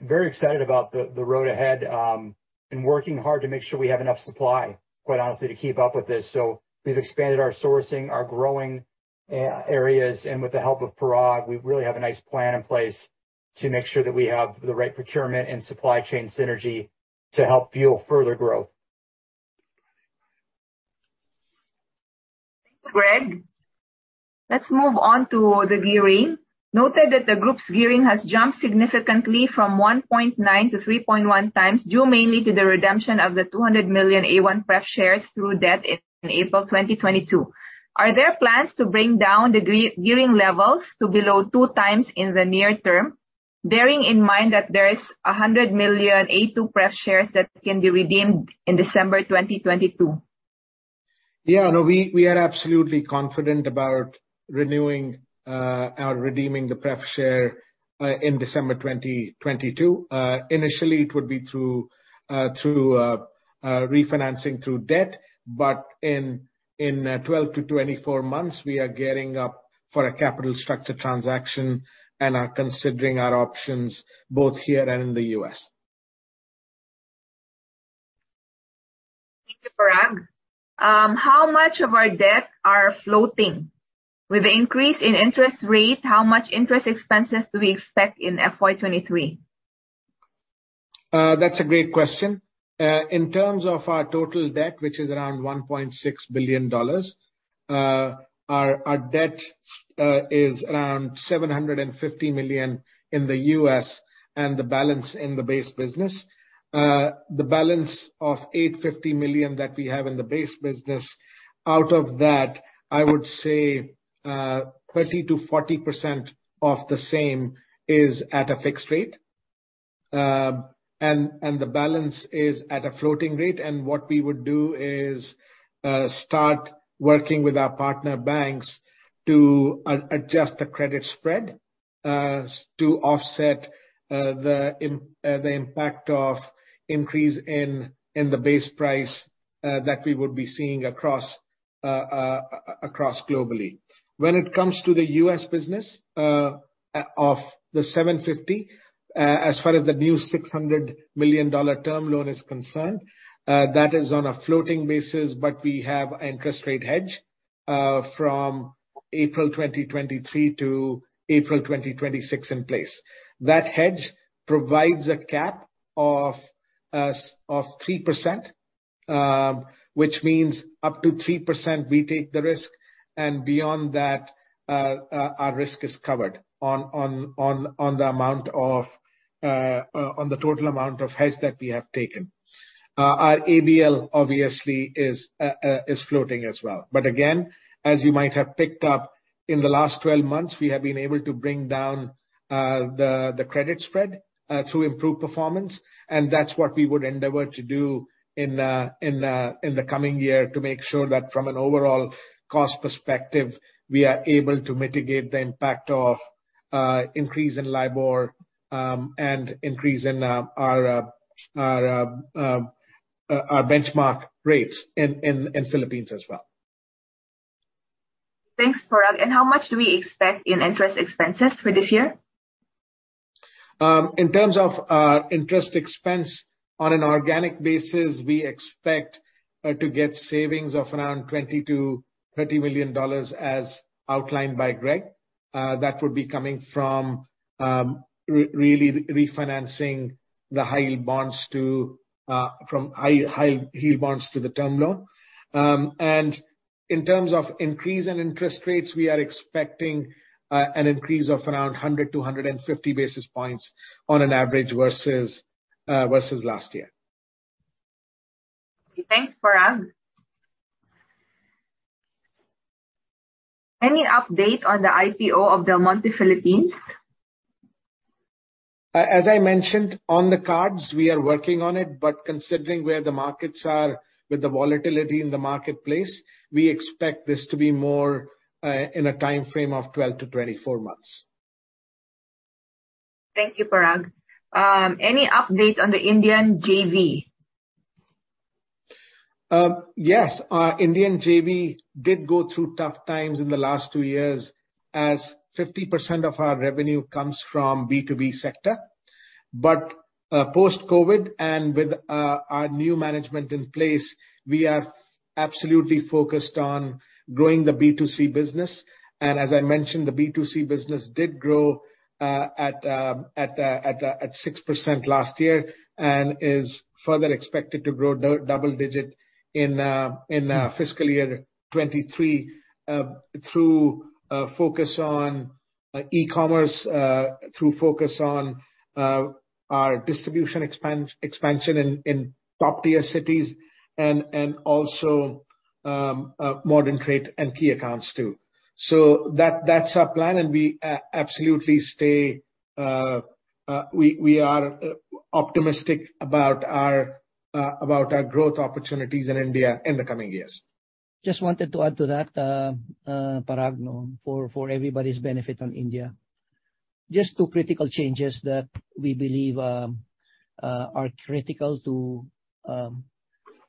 Very excited about the road ahead, and working hard to make sure we have enough supply, quite honestly, to keep up with this. We've expanded our sourcing, our growing areas, and with the help of Parag, we really have a nice plan in place to make sure that we have the right procurement and supply chain synergy to help fuel further growth. Thanks, Greg. Let's move on to the gearing. Noted that the group's gearing has jumped significantly from 1.9x-3.1x, due mainly to the redemption of the 200 million A1 pref shares through debt in April 2022. Are there plans to bring down the gearing levels to below 2x in the near term, bearing in mind that there is a 100 million A2 pref shares that can be redeemed in December 2022? No, we are absolutely confident about renewing or redeeming the preferred share in December 2022. Initially it would be through refinancing through debt. In 12-24 months, we are gearing up for a capital structure transaction and are considering our options both here and in the U.S. Thank you, Parag. How much of our debt are floating? With the increase in interest rate, how much interest expenses do we expect in FY 2023? That's a great question. In terms of our total debt, which is around $1.6 billion, our debt is around $750 million in the U.S. and the balance in the Asia business. The balance of $850 million that we have in the Asia business, out of that, I would say 20%-40% of the same is at a fixed rate. And the balance is at a floating rate. What we would do is start working with our partner banks to adjust the credit spread to offset the impact of increase in the base rate that we would be seeing across globally. When it comes to the U.S. business, of the $750 million, as far as the new $600 million term loan is concerned, that is on a floating basis, but we have interest rate hedge from April 2023 to April 2026 in place. That hedge provides a cap of three percent, which means up to 3% we take the risk, and beyond that, our risk is covered on the total amount of hedge that we have taken. Our ABL obviously is floating as well. Again, as you might have picked up in the last 12 months, we have been able to bring down the credit spread through improved performance, and that's what we would endeavor to do in the coming year to make sure that from an overall cost perspective, we are able to mitigate the impact of increase in LIBOR and increase in our benchmark rates in Philippines as well. Thanks, Parag. How much do we expect in interest expenses for this year? In terms of our interest expense on an organic basis, we expect to get savings of around $20 million-$30 million as outlined by Greg. That would be coming from really refinancing the high yield bonds from high yield bonds to the term loan. In terms of increase in interest rates, we are expecting an increase of around 100-150 basis points on an average versus last year. Thanks, Parag. Any update on the IPO of Del Monte Philippines? As I mentioned, on the cards, we are working on it. Considering where the markets are with the volatility in the marketplace, we expect this to be more, in a timeframe of 12-24 months. Thank you, Parag. Any update on the Indian JV? Yes. Our Indian JV did go through tough times in the last two years as 50% of our revenue comes from B2B sector. Post-COVID and with our new management in place, we are absolutely focused on growing the B2C business. As I mentioned, the B2C business did grow at 6% last year and is further expected to grow double-digit in fiscal year 2023 through a focus on e-commerce through focus on our distribution expansion in top-tier cities and also modern trade and key accounts too. That is our plan, and we are optimistic about our growth opportunities in India in the coming years. Just wanted to add to that, Parag, for everybody's benefit on India. Two critical changes that we believe are critical to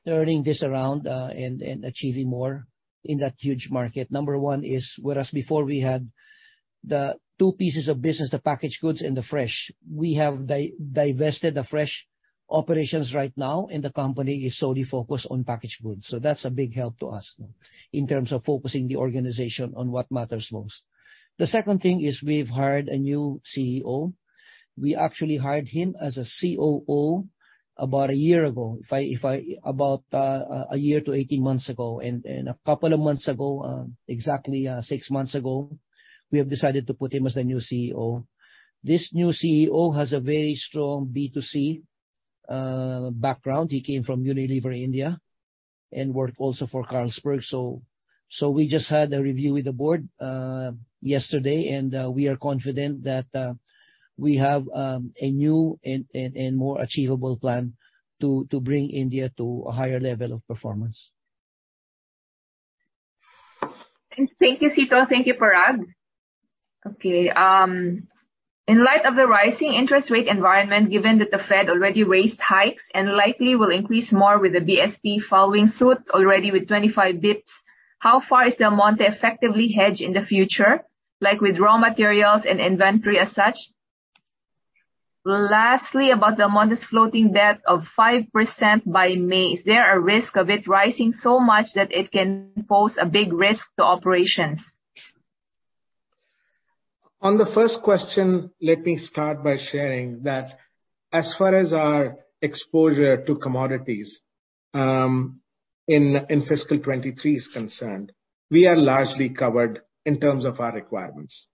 turning this around and achieving more in that huge market. Number one is, whereas before we had the two pieces of business, the packaged goods and the fresh, we have divested the fresh operations right now, and the company is solely focused on packaged goods. That's a big help to us in terms of focusing the organization on what matters most. The second thing is we've hired a new CEO. We actually hired him as a COO about a year to 18 months ago. A couple of months ago, exactly six months ago, we have decided to put him as the new CEO. This new CEO has a very strong B2C background. He came from Unilever India and worked also for Carlsberg. We just had a review with the board yesterday, and we are confident that we have a new and more achievable plan to bring India to a higher level of performance. Thank you, Cito. Thank you, Parag. Okay. In light of the rising interest rate environment, given that the Fed already raised rate hikes and likely will increase more with the BSP following suit already with 25 basis points, how far is Del Monte effectively hedged in the future, like with raw materials and inventory as such? Lastly, about Del Monte's floating debt of 5% by May, is there a risk of it rising so much that it can pose a big risk to operations? On the first question, let me start by sharing that as far as our exposure to commodities, in fiscal 2023 is concerned, we are largely covered in terms of our requirements,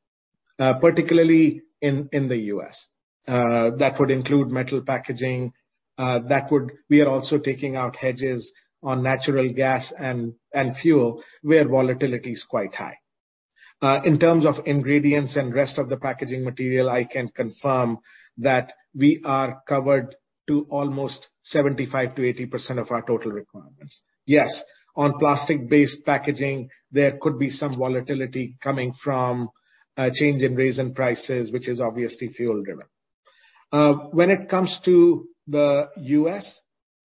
particularly in the U.S. That would include metal packaging. We are also taking out hedges on natural gas and fuel where volatility is quite high. In terms of ingredients and rest of the packaging material, I can confirm that we are covered to almost 75%-80% of our total requirements. Yes, on plastic-based packaging, there could be some volatility coming from a change in resin prices, which is obviously fuel-driven. When it comes to the U.S.,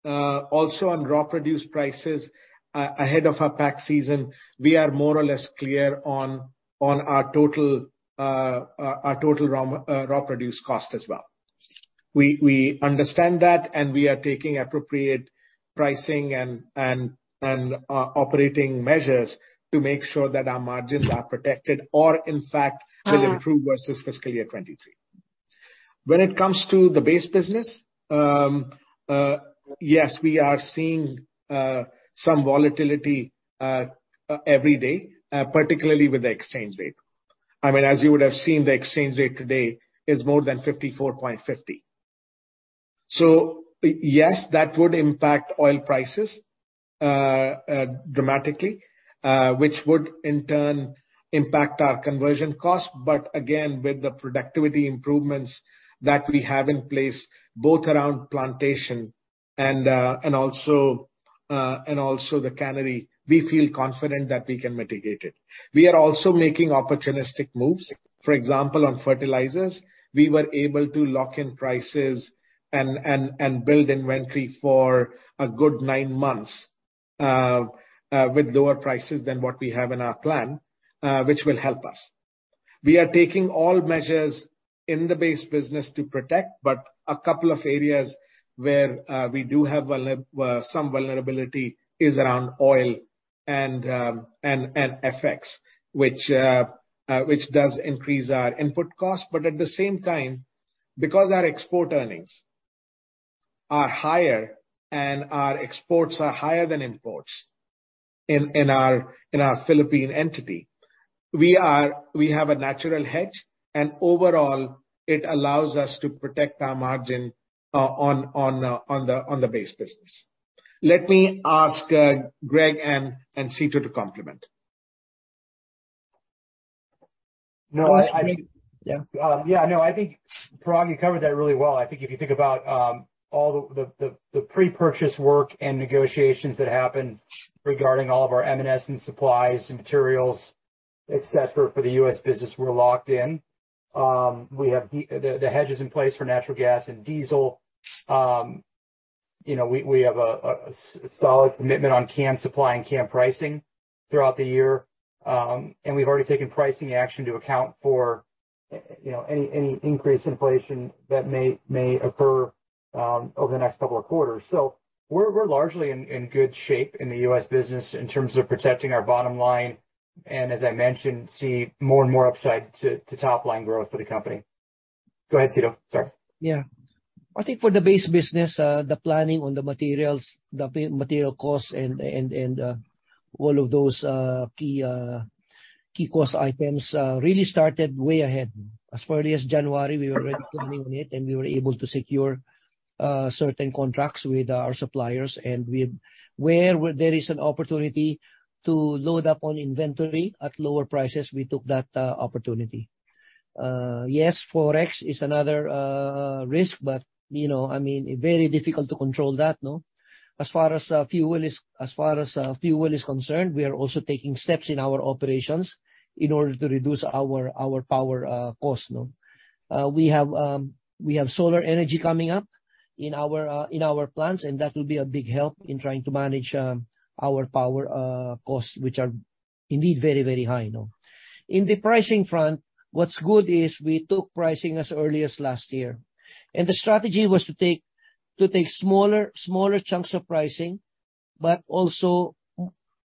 also on raw produce prices, ahead of our pack season, we are more or less clear on our total raw produce cost as well. We understand that, and we are taking appropriate pricing and operating measures to make sure that our margins are protected or in fact will improve versus fiscal year 2023. When it comes to the base business, yes, we are seeing some volatility every day, particularly with the exchange rate. I mean, as you would have seen, the exchange rate today is more than 54.50. Yes, that would impact oil prices dramatically, which would in turn impact our conversion costs. Again, with the productivity improvements that we have in place, both around plantation and the cannery, we feel confident that we can mitigate it. We are also making opportunistic moves. For example, on fertilizers, we were able to lock in prices and build inventory for a good nine months with lower prices than what we have in our plan, which will help us. We are taking all measures in the base business to protect, but a couple of areas where we do have some vulnerability is around oil and FX, which does increase our input costs. At the same time, because our export earnings are higher and our exports are higher than imports in our Philippine entity, we have a natural hedge, and overall, it allows us to protect our margin on the base business. Let me ask Greg and Cito to complement. No, I think. Yeah. Yeah, no, I think, Parag, you covered that really well. I think if you think about all the pre-purchase work and negotiations that happened regarding all of our MRO and supplies and materials, et cetera, for the U.S. business, we're locked in. We have the hedges in place for natural gas and diesel. You know, we have a solid commitment on can supply and can pricing throughout the year. We've already taken pricing action to account for, you know, any increased inflation that may occur over the next couple of quarters. We're largely in good shape in the U.S. business in terms of protecting our bottom line, and as I mentioned, see more and more upside to top line growth for the company. Go ahead, Cito. Sorry. Yeah. I think for the base business, the planning on the materials, the material costs and all of those key cost items really started way ahead. As early as January, we were already planning it, and we were able to secure certain contracts with our suppliers. Where there is an opportunity to load up on inventory at lower prices, we took that opportunity. Yes, Forex is another risk, but, you know, I mean, very difficult to control that, no? As far as fuel is concerned, we are also taking steps in our operations in order to reduce our power cost, no? We have solar energy coming up in our plans, and that will be a big help in trying to manage our power costs, which are indeed very high, no? In the pricing front, what's good is we took pricing as early as last year. The strategy was to take smaller chunks of pricing, but also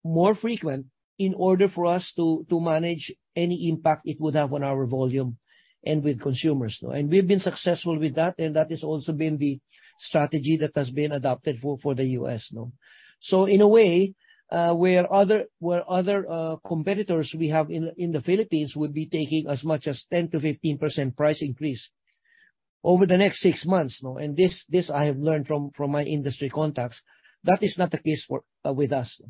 more frequent in order for us to manage any impact it would have on our volume and with consumers, no? We've been successful with that, and that has also been the strategy that has been adopted for the U.S., no? In a way, where other competitors we have in the Philippines would be taking as much as 10%-15% price increase over the next six months, no? This I have learned from my industry contacts. That is not the case with us.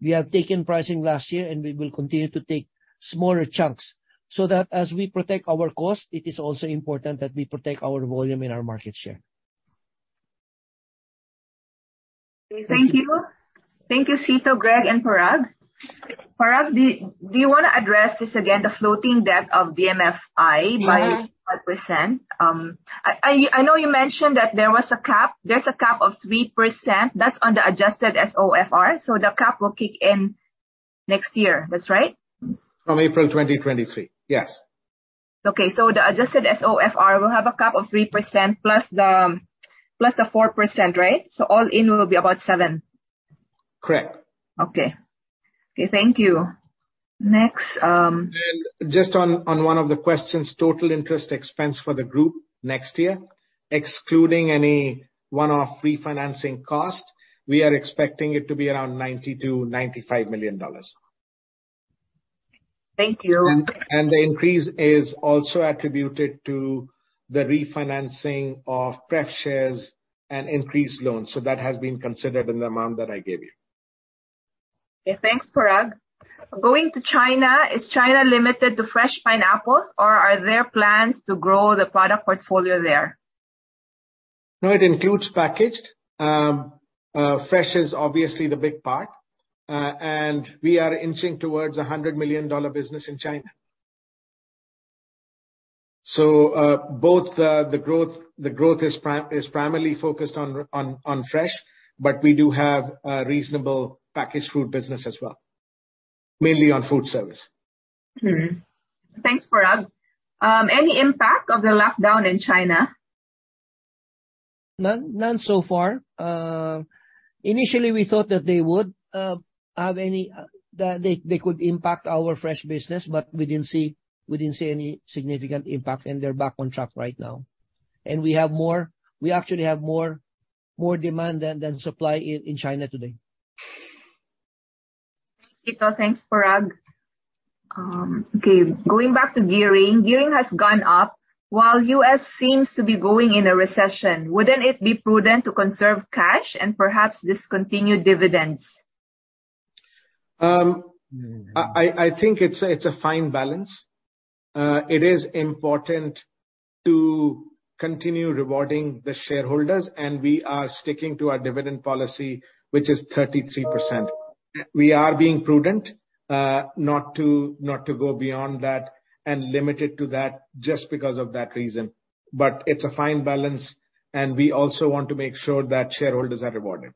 We have taken pricing last year, and we will continue to take smaller chunks, so that as we protect our cost, it is also important that we protect our volume and our market share. Thank you. Thank you, Cito, Greg, and Parag. Parag, do you wanna address this again, the floating debt of DMFI by 4%? I know you mentioned that there was a cap, there's a cap of 3%. That's on the adjusted SOFR, so the cap will kick in next year. That's right? From April 2023. Yes. Okay. The adjusted SOFR will have a cap of 3% plus the 4%, right? All in will be about 7%. Correct. Okay. Okay, thank you. Next, Just on one of the questions, total interest expense for the group next year, excluding any one-off refinancing costs, we are expecting it to be around $90 million-$95 million. Thank you. The increase is also attributed to the refinancing of preferred shares and increased loans. That has been considered in the amount that I gave you. Okay. Thanks, Parag. Going to China, is China limited to fresh pineapples, or are there plans to grow the product portfolio there? No, it includes packaged. Fresh is obviously the big part. We are inching towards a $100 million business in China. Both the growth is primarily focused on fresh, but we do have a reasonable packaged food business as well, mainly on food service. Thanks, Parag. Any impact of the lockdown in China? None so far. Initially, we thought that they could impact our fresh business, but we didn't see any significant impact, and they're back on track right now. We actually have more demand than supply in China today. Thanks, Cito. Thanks, Parag. Okay. Going back to gearing. Gearing has gone up while U.S. seems to be going into a recession. Wouldn't it be prudent to conserve cash and perhaps discontinue dividends? I think it's a fine balance. It is important to continue rewarding the shareholders, and we are sticking to our dividend policy, which is 33%. We are being prudent not to go beyond that and limit it to that just because of that reason. It's a fine balance, and we also want to make sure that shareholders are rewarded.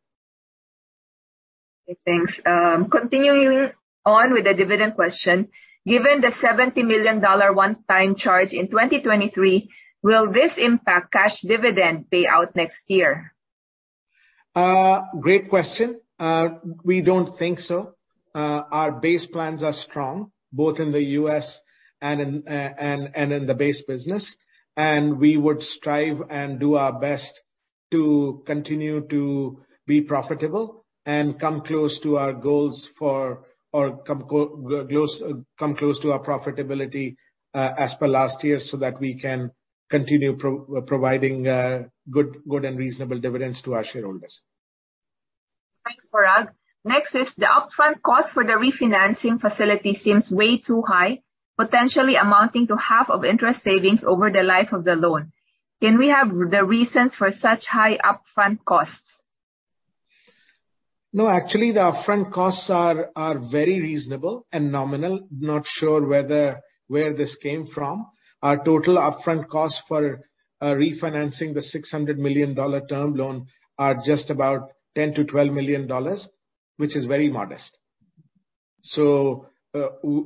Okay, thanks. Continuing on with the dividend question. Given the $70 million one-time charge in 2023, will this impact cash dividend payout next year? Great question. We don't think so. Our base plans are strong, both in the U.S. and in the base business. We would strive and do our best to continue to be profitable and come close to our profitability, as per last year, so that we can continue providing good and reasonable dividends to our shareholders. Thanks, Parag. Next is the upfront cost for the refinancing facility seems way too high, potentially amounting to half of interest savings over the life of the loan. Can we have the reasons for such high upfront costs? No, actually the upfront costs are very reasonable and nominal. Not sure where this came from. Our total upfront cost for refinancing the $600 million term loan are just about $10 million-$12 million, which is very modest.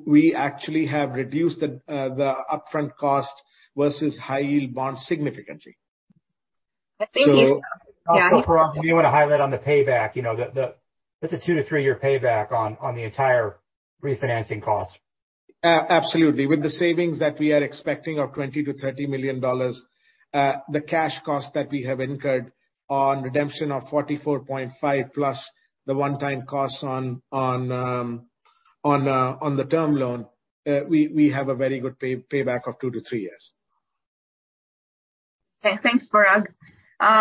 We actually have reduced the upfront cost versus high yield bonds significantly. Thank you. Danny? Parag, if you wanna highlight on the payback, you know, the it's a two to three year payback on the entire refinancing cost. Absolutely. With the savings that we are expecting of $20 million-$30 million, the cash cost that we have incurred on redemption of $44.5 million plus the one-time costs on the term loan, we have a very good payback of 2-3 years. Okay. Thanks, Parag.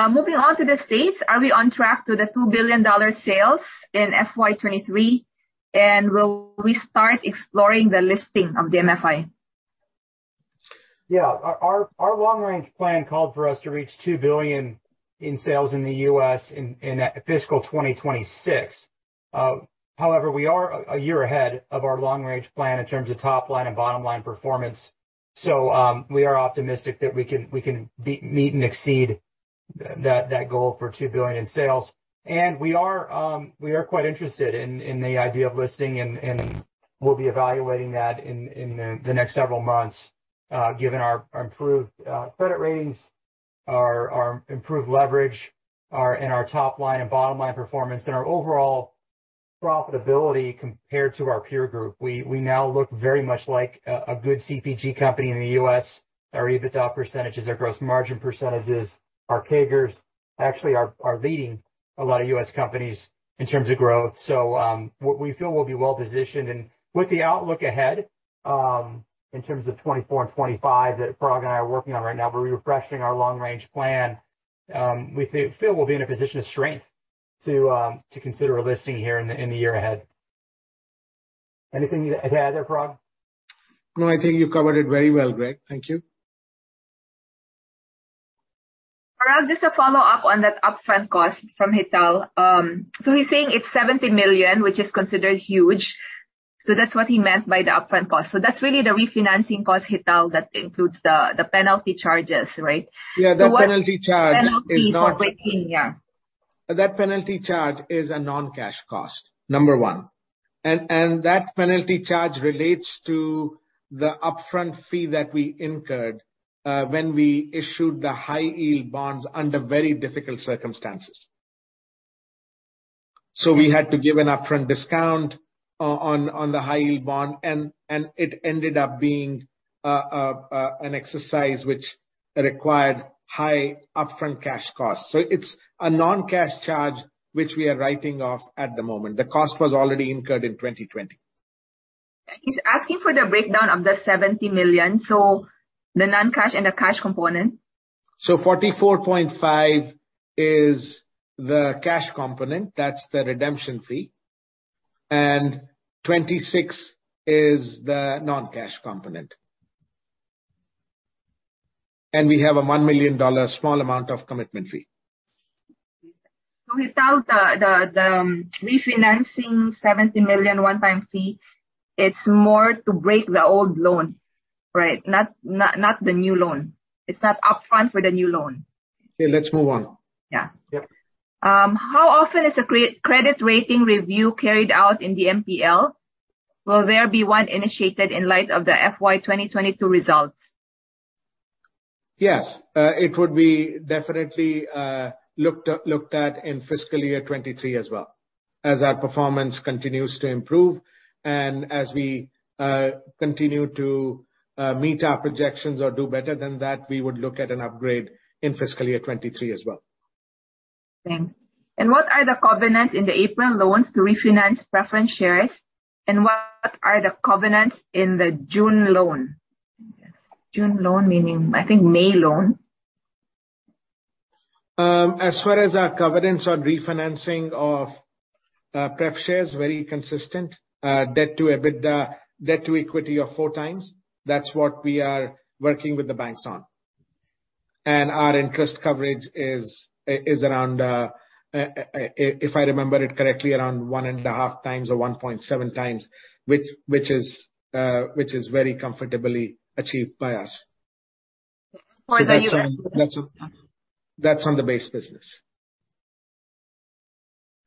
Moving on to the States, are we on track to $2 billion sales in FY 2023? Will we start exploring the listing of the DMFI? Yeah. Our long-range plan called for us to reach $2 billion in sales in the U.S. in fiscal 2026. However, we are a year ahead of our long-range plan in terms of top line and bottom line performance. We are optimistic that we can meet and exceed that goal for $2 billion in sales. We are quite interested in the idea of listing and we'll be evaluating that in the next several months, given our improved credit ratings, our improved leverage, and our top line and bottom line performance and our overall profitability compared to our peer group. We now look very much like a good CPG company in the U.S. Our EBITDA percentages, our gross margin percentages, our CAGRs actually are leading a lot of U.S. companies in terms of growth. We feel we'll be well-positioned. With the outlook ahead, in terms of 2024 and 2025 that Parag and I are working on right now, we're refreshing our long range plan. We feel we'll be in a position of strength to consider a listing here in the year ahead. Anything to add there, Parag? No, I think you covered it very well, Greg. Thank you. Parag, just a follow-up on that upfront cost from Hital. He's saying it's $70 million, which is considered huge. That's what he meant by the upfront cost. That's really the refinancing cost, Hital, that includes the penalty charges, right? Yeah, the penalty charge is not. Penalty for breaking, yeah. That penalty charge is a non-cash cost, number one. That penalty charge relates to the upfront fee that we incurred when we issued the high yield bonds under very difficult circumstances. We had to give an upfront discount on the high yield bond, and it ended up being an exercise which required high upfront cash costs. It's a non-cash charge which we are writing off at the moment. The cost was already incurred in 2020. He's asking for the breakdown of the $70 million, so the non-cash and the cash component. $44.5 million is the cash component, that's the redemption fee. $26 milion is the non-cash component. We have a $1 million small amount of commitment fee. Without the refinancing $70 million one-time fee, it's meant to break the old loan, right? Not the new loan. It's not upfront for the new loan. Okay, let's move on. Yeah. Yeah. How often is a credit rating review carried out in the DMPL? Will there be one initiated in light of the FY 2022 results? Yes. It would be definitely looked at in fiscal year 2023 as well. As our performance continues to improve and as we continue to meet our projections or do better than that, we would look at an upgrade in fiscal year 2023 as well. Thanks. What are the covenants in the April loans to refinance preference shares? What are the covenants in the June loan? June loan meaning, I think May loan. As far as our covenants on refinancing of prep shares, very consistent. Debt to EBITDA, debt to equity of 4x. That's what we are working with the banks on. Our interest coverage is around, if I remember it correctly, around 1.5x or 1.7x, which is very comfortably achieved by us. For the U.S. That's on the base business.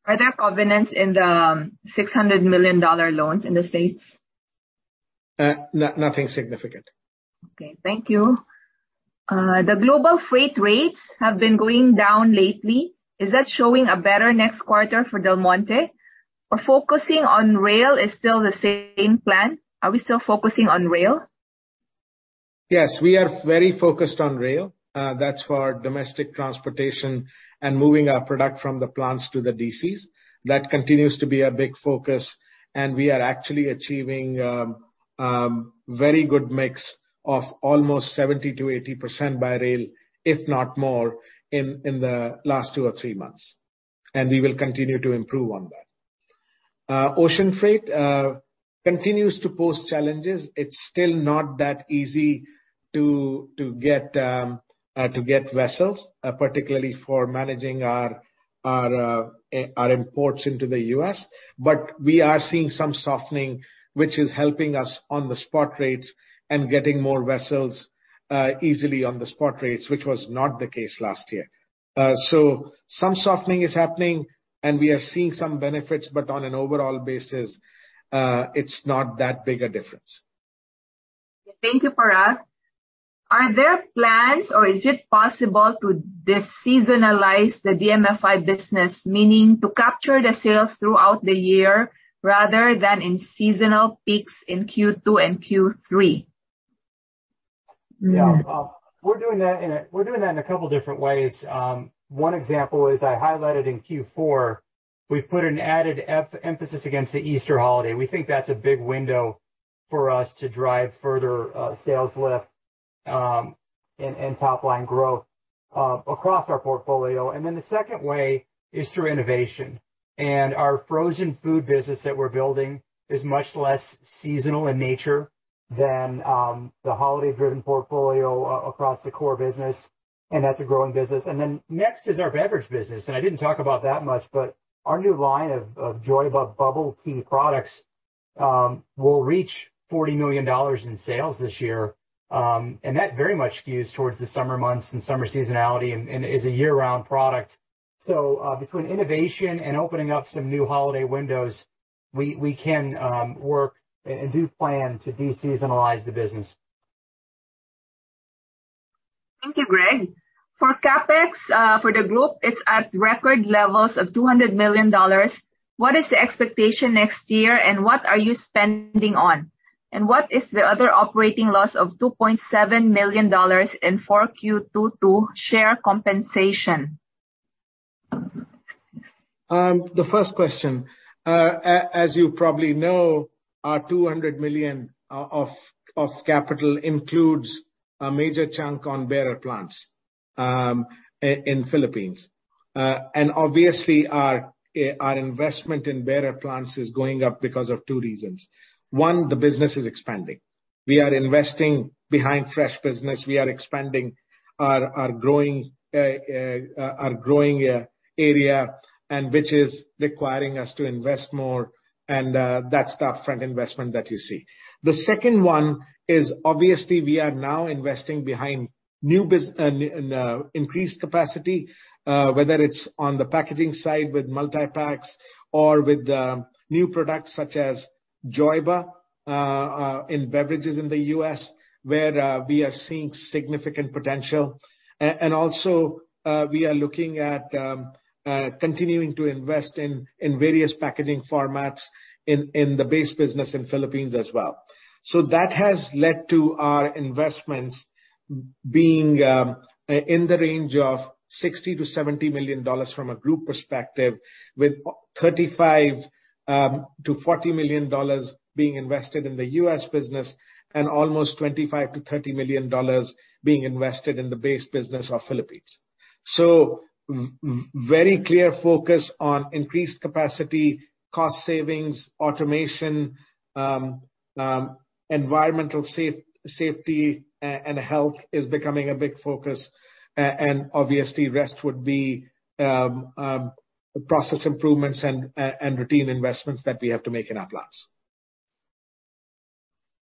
Are there covenants in the $600 million loans in the States? Nothing significant. Okay, thank you. The global freight rates have been going down lately. Is that showing a better next quarter for Del Monte? Or focusing on rail is still the same plan? Are we still focusing on rail? Yes, we are very focused on rail. That's for our domestic transportation and moving our product from the plants to the DCs. That continues to be a big focus, and we are actually achieving very good mix of almost 70%-80% by rail, if not more, in the last two or three months. We will continue to improve on that. Ocean freight continues to post challenges. It's still not that easy to get vessels, particularly for managing our imports into the U.S. We are seeing some softening, which is helping us on the spot rates and getting more vessels easily on the spot rates, which was not the case last year. Some softening is happening and we are seeing some benefits. On an overall basis, it's not that big a difference. Thank you, Parag. Are there plans or is it possible to deseasonalize the DMFI business, meaning to capture the sales throughout the year rather than in seasonal peaks in Q2 and Q3? Yeah. We're doing that in a couple different ways. One example is I highlighted in Q4. We've put an added emphasis against the Easter holiday. We think that's a big window for us to drive further sales lift and top line growth across our portfolio. The second way is through innovation. Our frozen food business that we're building is much less seasonal in nature than the holiday-driven portfolio across the core business, and that's a growing business. Next is our beverage business, and I didn't talk about that much, but our new line of Joyba bubble tea products will reach $40 million in sales this year, and that very much skews towards the summer months and summer seasonality and is a year-round product. Between innovation and opening up some new holiday windows, we can work and do plan to deseasonalize the business. Thank you, Greg. For CapEx, for the group, it's at record levels of $200 million. What is the expectation next year, and what are you spending on? What is the other operating loss of $2.7 million in 4Q 2022 share compensation? The first question. As you probably know, our $200 million of capital includes a major chunk on bearer plants in Philippines. Obviously our investment in bearer plants is going up because of two reasons. One, the business is expanding. We are investing behind fresh business. We are expanding our growing area, which is requiring us to invest more, and that's the upfront investment that you see. The second one is obviously we are now investing behind increased capacity, whether it's on the packaging side with multi-packs or with new products such as Joyba in beverages in the U.S., where we are seeing significant potential. We are looking at continuing to invest in various packaging formats in the base business in Philippines as well. That has led to our investments being in the range of $60 million-$70 million from a group perspective, with $35 million-$40 million being invested in the U.S. business and almost $25 million-$30 million being invested in the base business of Philippines. Very clear focus on increased capacity, cost savings, automation, environmental safety and health is becoming a big focus. Obviously rest would be process improvements and routine investments that we have to make in our plants.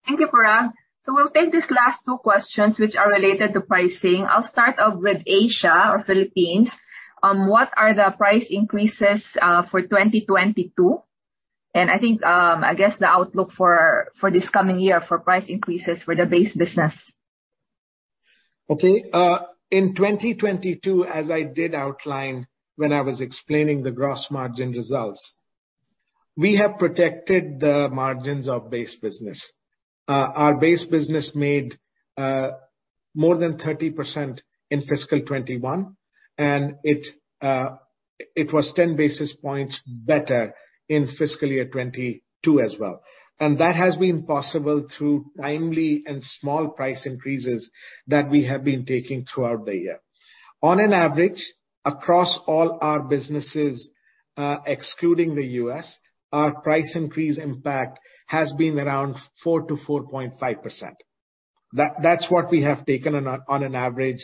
Thank you, Parag. We'll take these last two questions, which are related to pricing. I'll start off with Asia or Philippines. What are the price increases for 2022? And I think, I guess the outlook for this coming year for price increases for the base business. Okay. In 2022, as I did outline when I was explaining the gross margin results, we have protected the margins of base business. Our base business made more than 30% in fiscal 2021, and it was 10 basis points better in fiscal year 2022 as well. That has been possible through timely and small price increases that we have been taking throughout the year. On average, across all our businesses, excluding the U.S., our price increase impact has been around 4%-4.5%. That's what we have taken on average,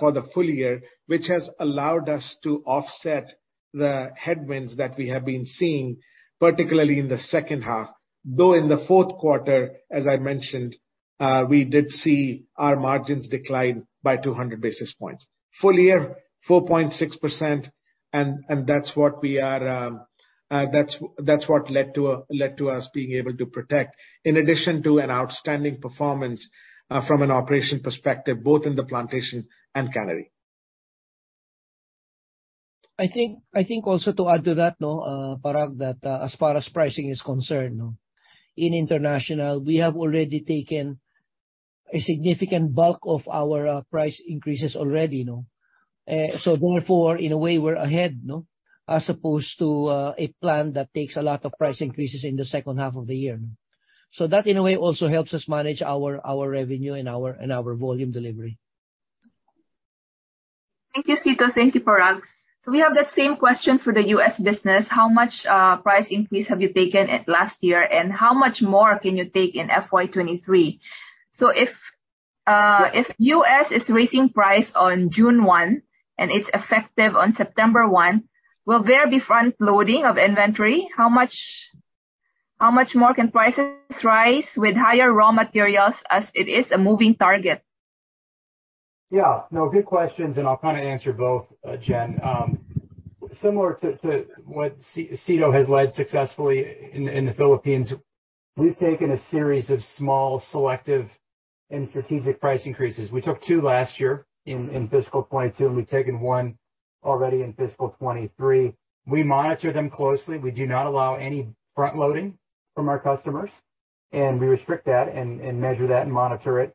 for the full year, which has allowed us to offset the headwinds that we have been seeing, particularly in the second half, though in the fourth quarter, as I mentioned, we did see our margins decline by 200 basis points. Full year 4.6%, and that's what we are. That's what led to us being able to protect, in addition to an outstanding performance from an operational perspective, both in the plantation and cannery. I think also to add to that, no, Parag, that as far as pricing is concerned, no, in international, we have already taken a significant bulk of our price increases already, no. Therefore, in a way, we're ahead, no, as opposed to a plan that takes a lot of price increases in the second half of the year. That, in a way, also helps us manage our revenue and our volume delivery. Thank you, Cito. Thank you, Parag. We have that same question for the U.S. business. How much price increase have you taken at last year, and how much more can you take in FY 2023? If U.S. is raising price on June 1 and it's effective on September 1, will there be front loading of inventory? How much more can prices rise with higher raw materials as it is a moving target? Yeah. No, good questions, and I'll kinda answer both, Jen. Similar to what Luis Alejandro has led successfully in the Philippines, we've taken a series of small, selective and strategic price increases. We took two last year in fiscal 2022, and we've taken one already in fiscal 2023. We monitor them closely. We do not allow any front loading from our customers, and we restrict that and measure that and monitor it.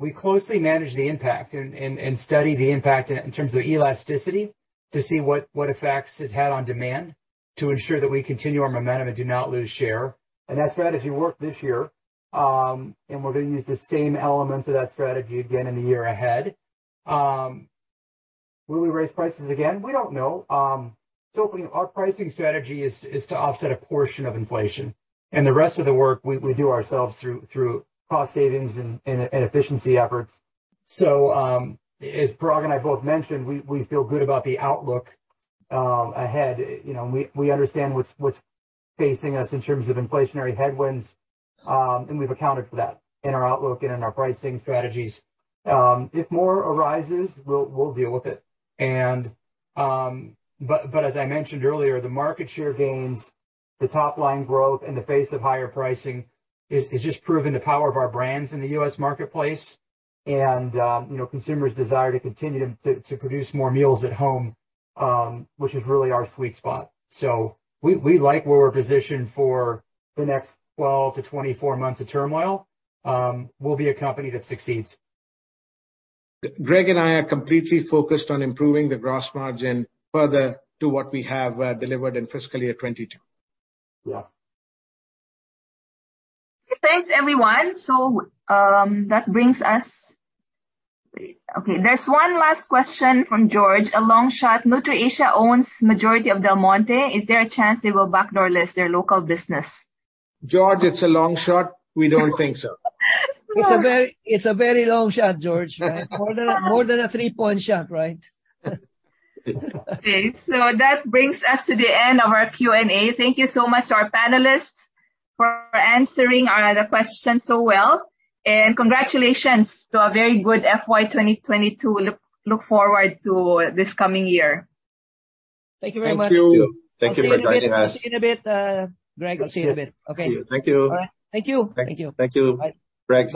We closely manage the impact and study the impact in terms of elasticity to see what effects it's had on demand to ensure that we continue our momentum and do not lose share. That strategy worked this year, and we're gonna use the same elements of that strategy again in the year ahead. Will we raise prices again? We don't know. Our pricing strategy is to offset a portion of inflation. The rest of the work we do ourselves through cost savings and efficiency efforts. As Parag and I both mentioned, we feel good about the outlook ahead. You know, we understand what's facing us in terms of inflationary headwinds, and we've accounted for that in our outlook and in our pricing strategies. If more arises, we'll deal with it. As I mentioned earlier, the market share gains, the top line growth in the face of higher pricing is just proving the power of our brands in the U.S. marketplace and, you know, consumers' desire to continue to produce more meals at home, which is really our sweet spot. We like where we're positioned for the next 12-24 months of turmoil. We'll be a company that succeeds. Greg and I are completely focused on improving the gross margin further to what we have delivered in fiscal year 2022. Yeah. Thanks, everyone. There's one last question from George. A long shot. NutriAsia owns majority of Del Monte. Is there a chance they will backdoor list their local business? George, it's a long shot. We don't think so. It's a very long shot, George, right? More than a three-point shot, right? Okay. That brings us to the end of our Q&A. Thank you so much to our panelists for answering all of the questions so well, and congratulations to a very good FY 2022. Look forward to this coming year. Thank you very much. Thank you. Thank you for joining us. I'll see you in a bit, Greg. I'll see you in a bit. Okay. Thank you. All right. Thank you. Thank you. Thank you. Bye. Greg.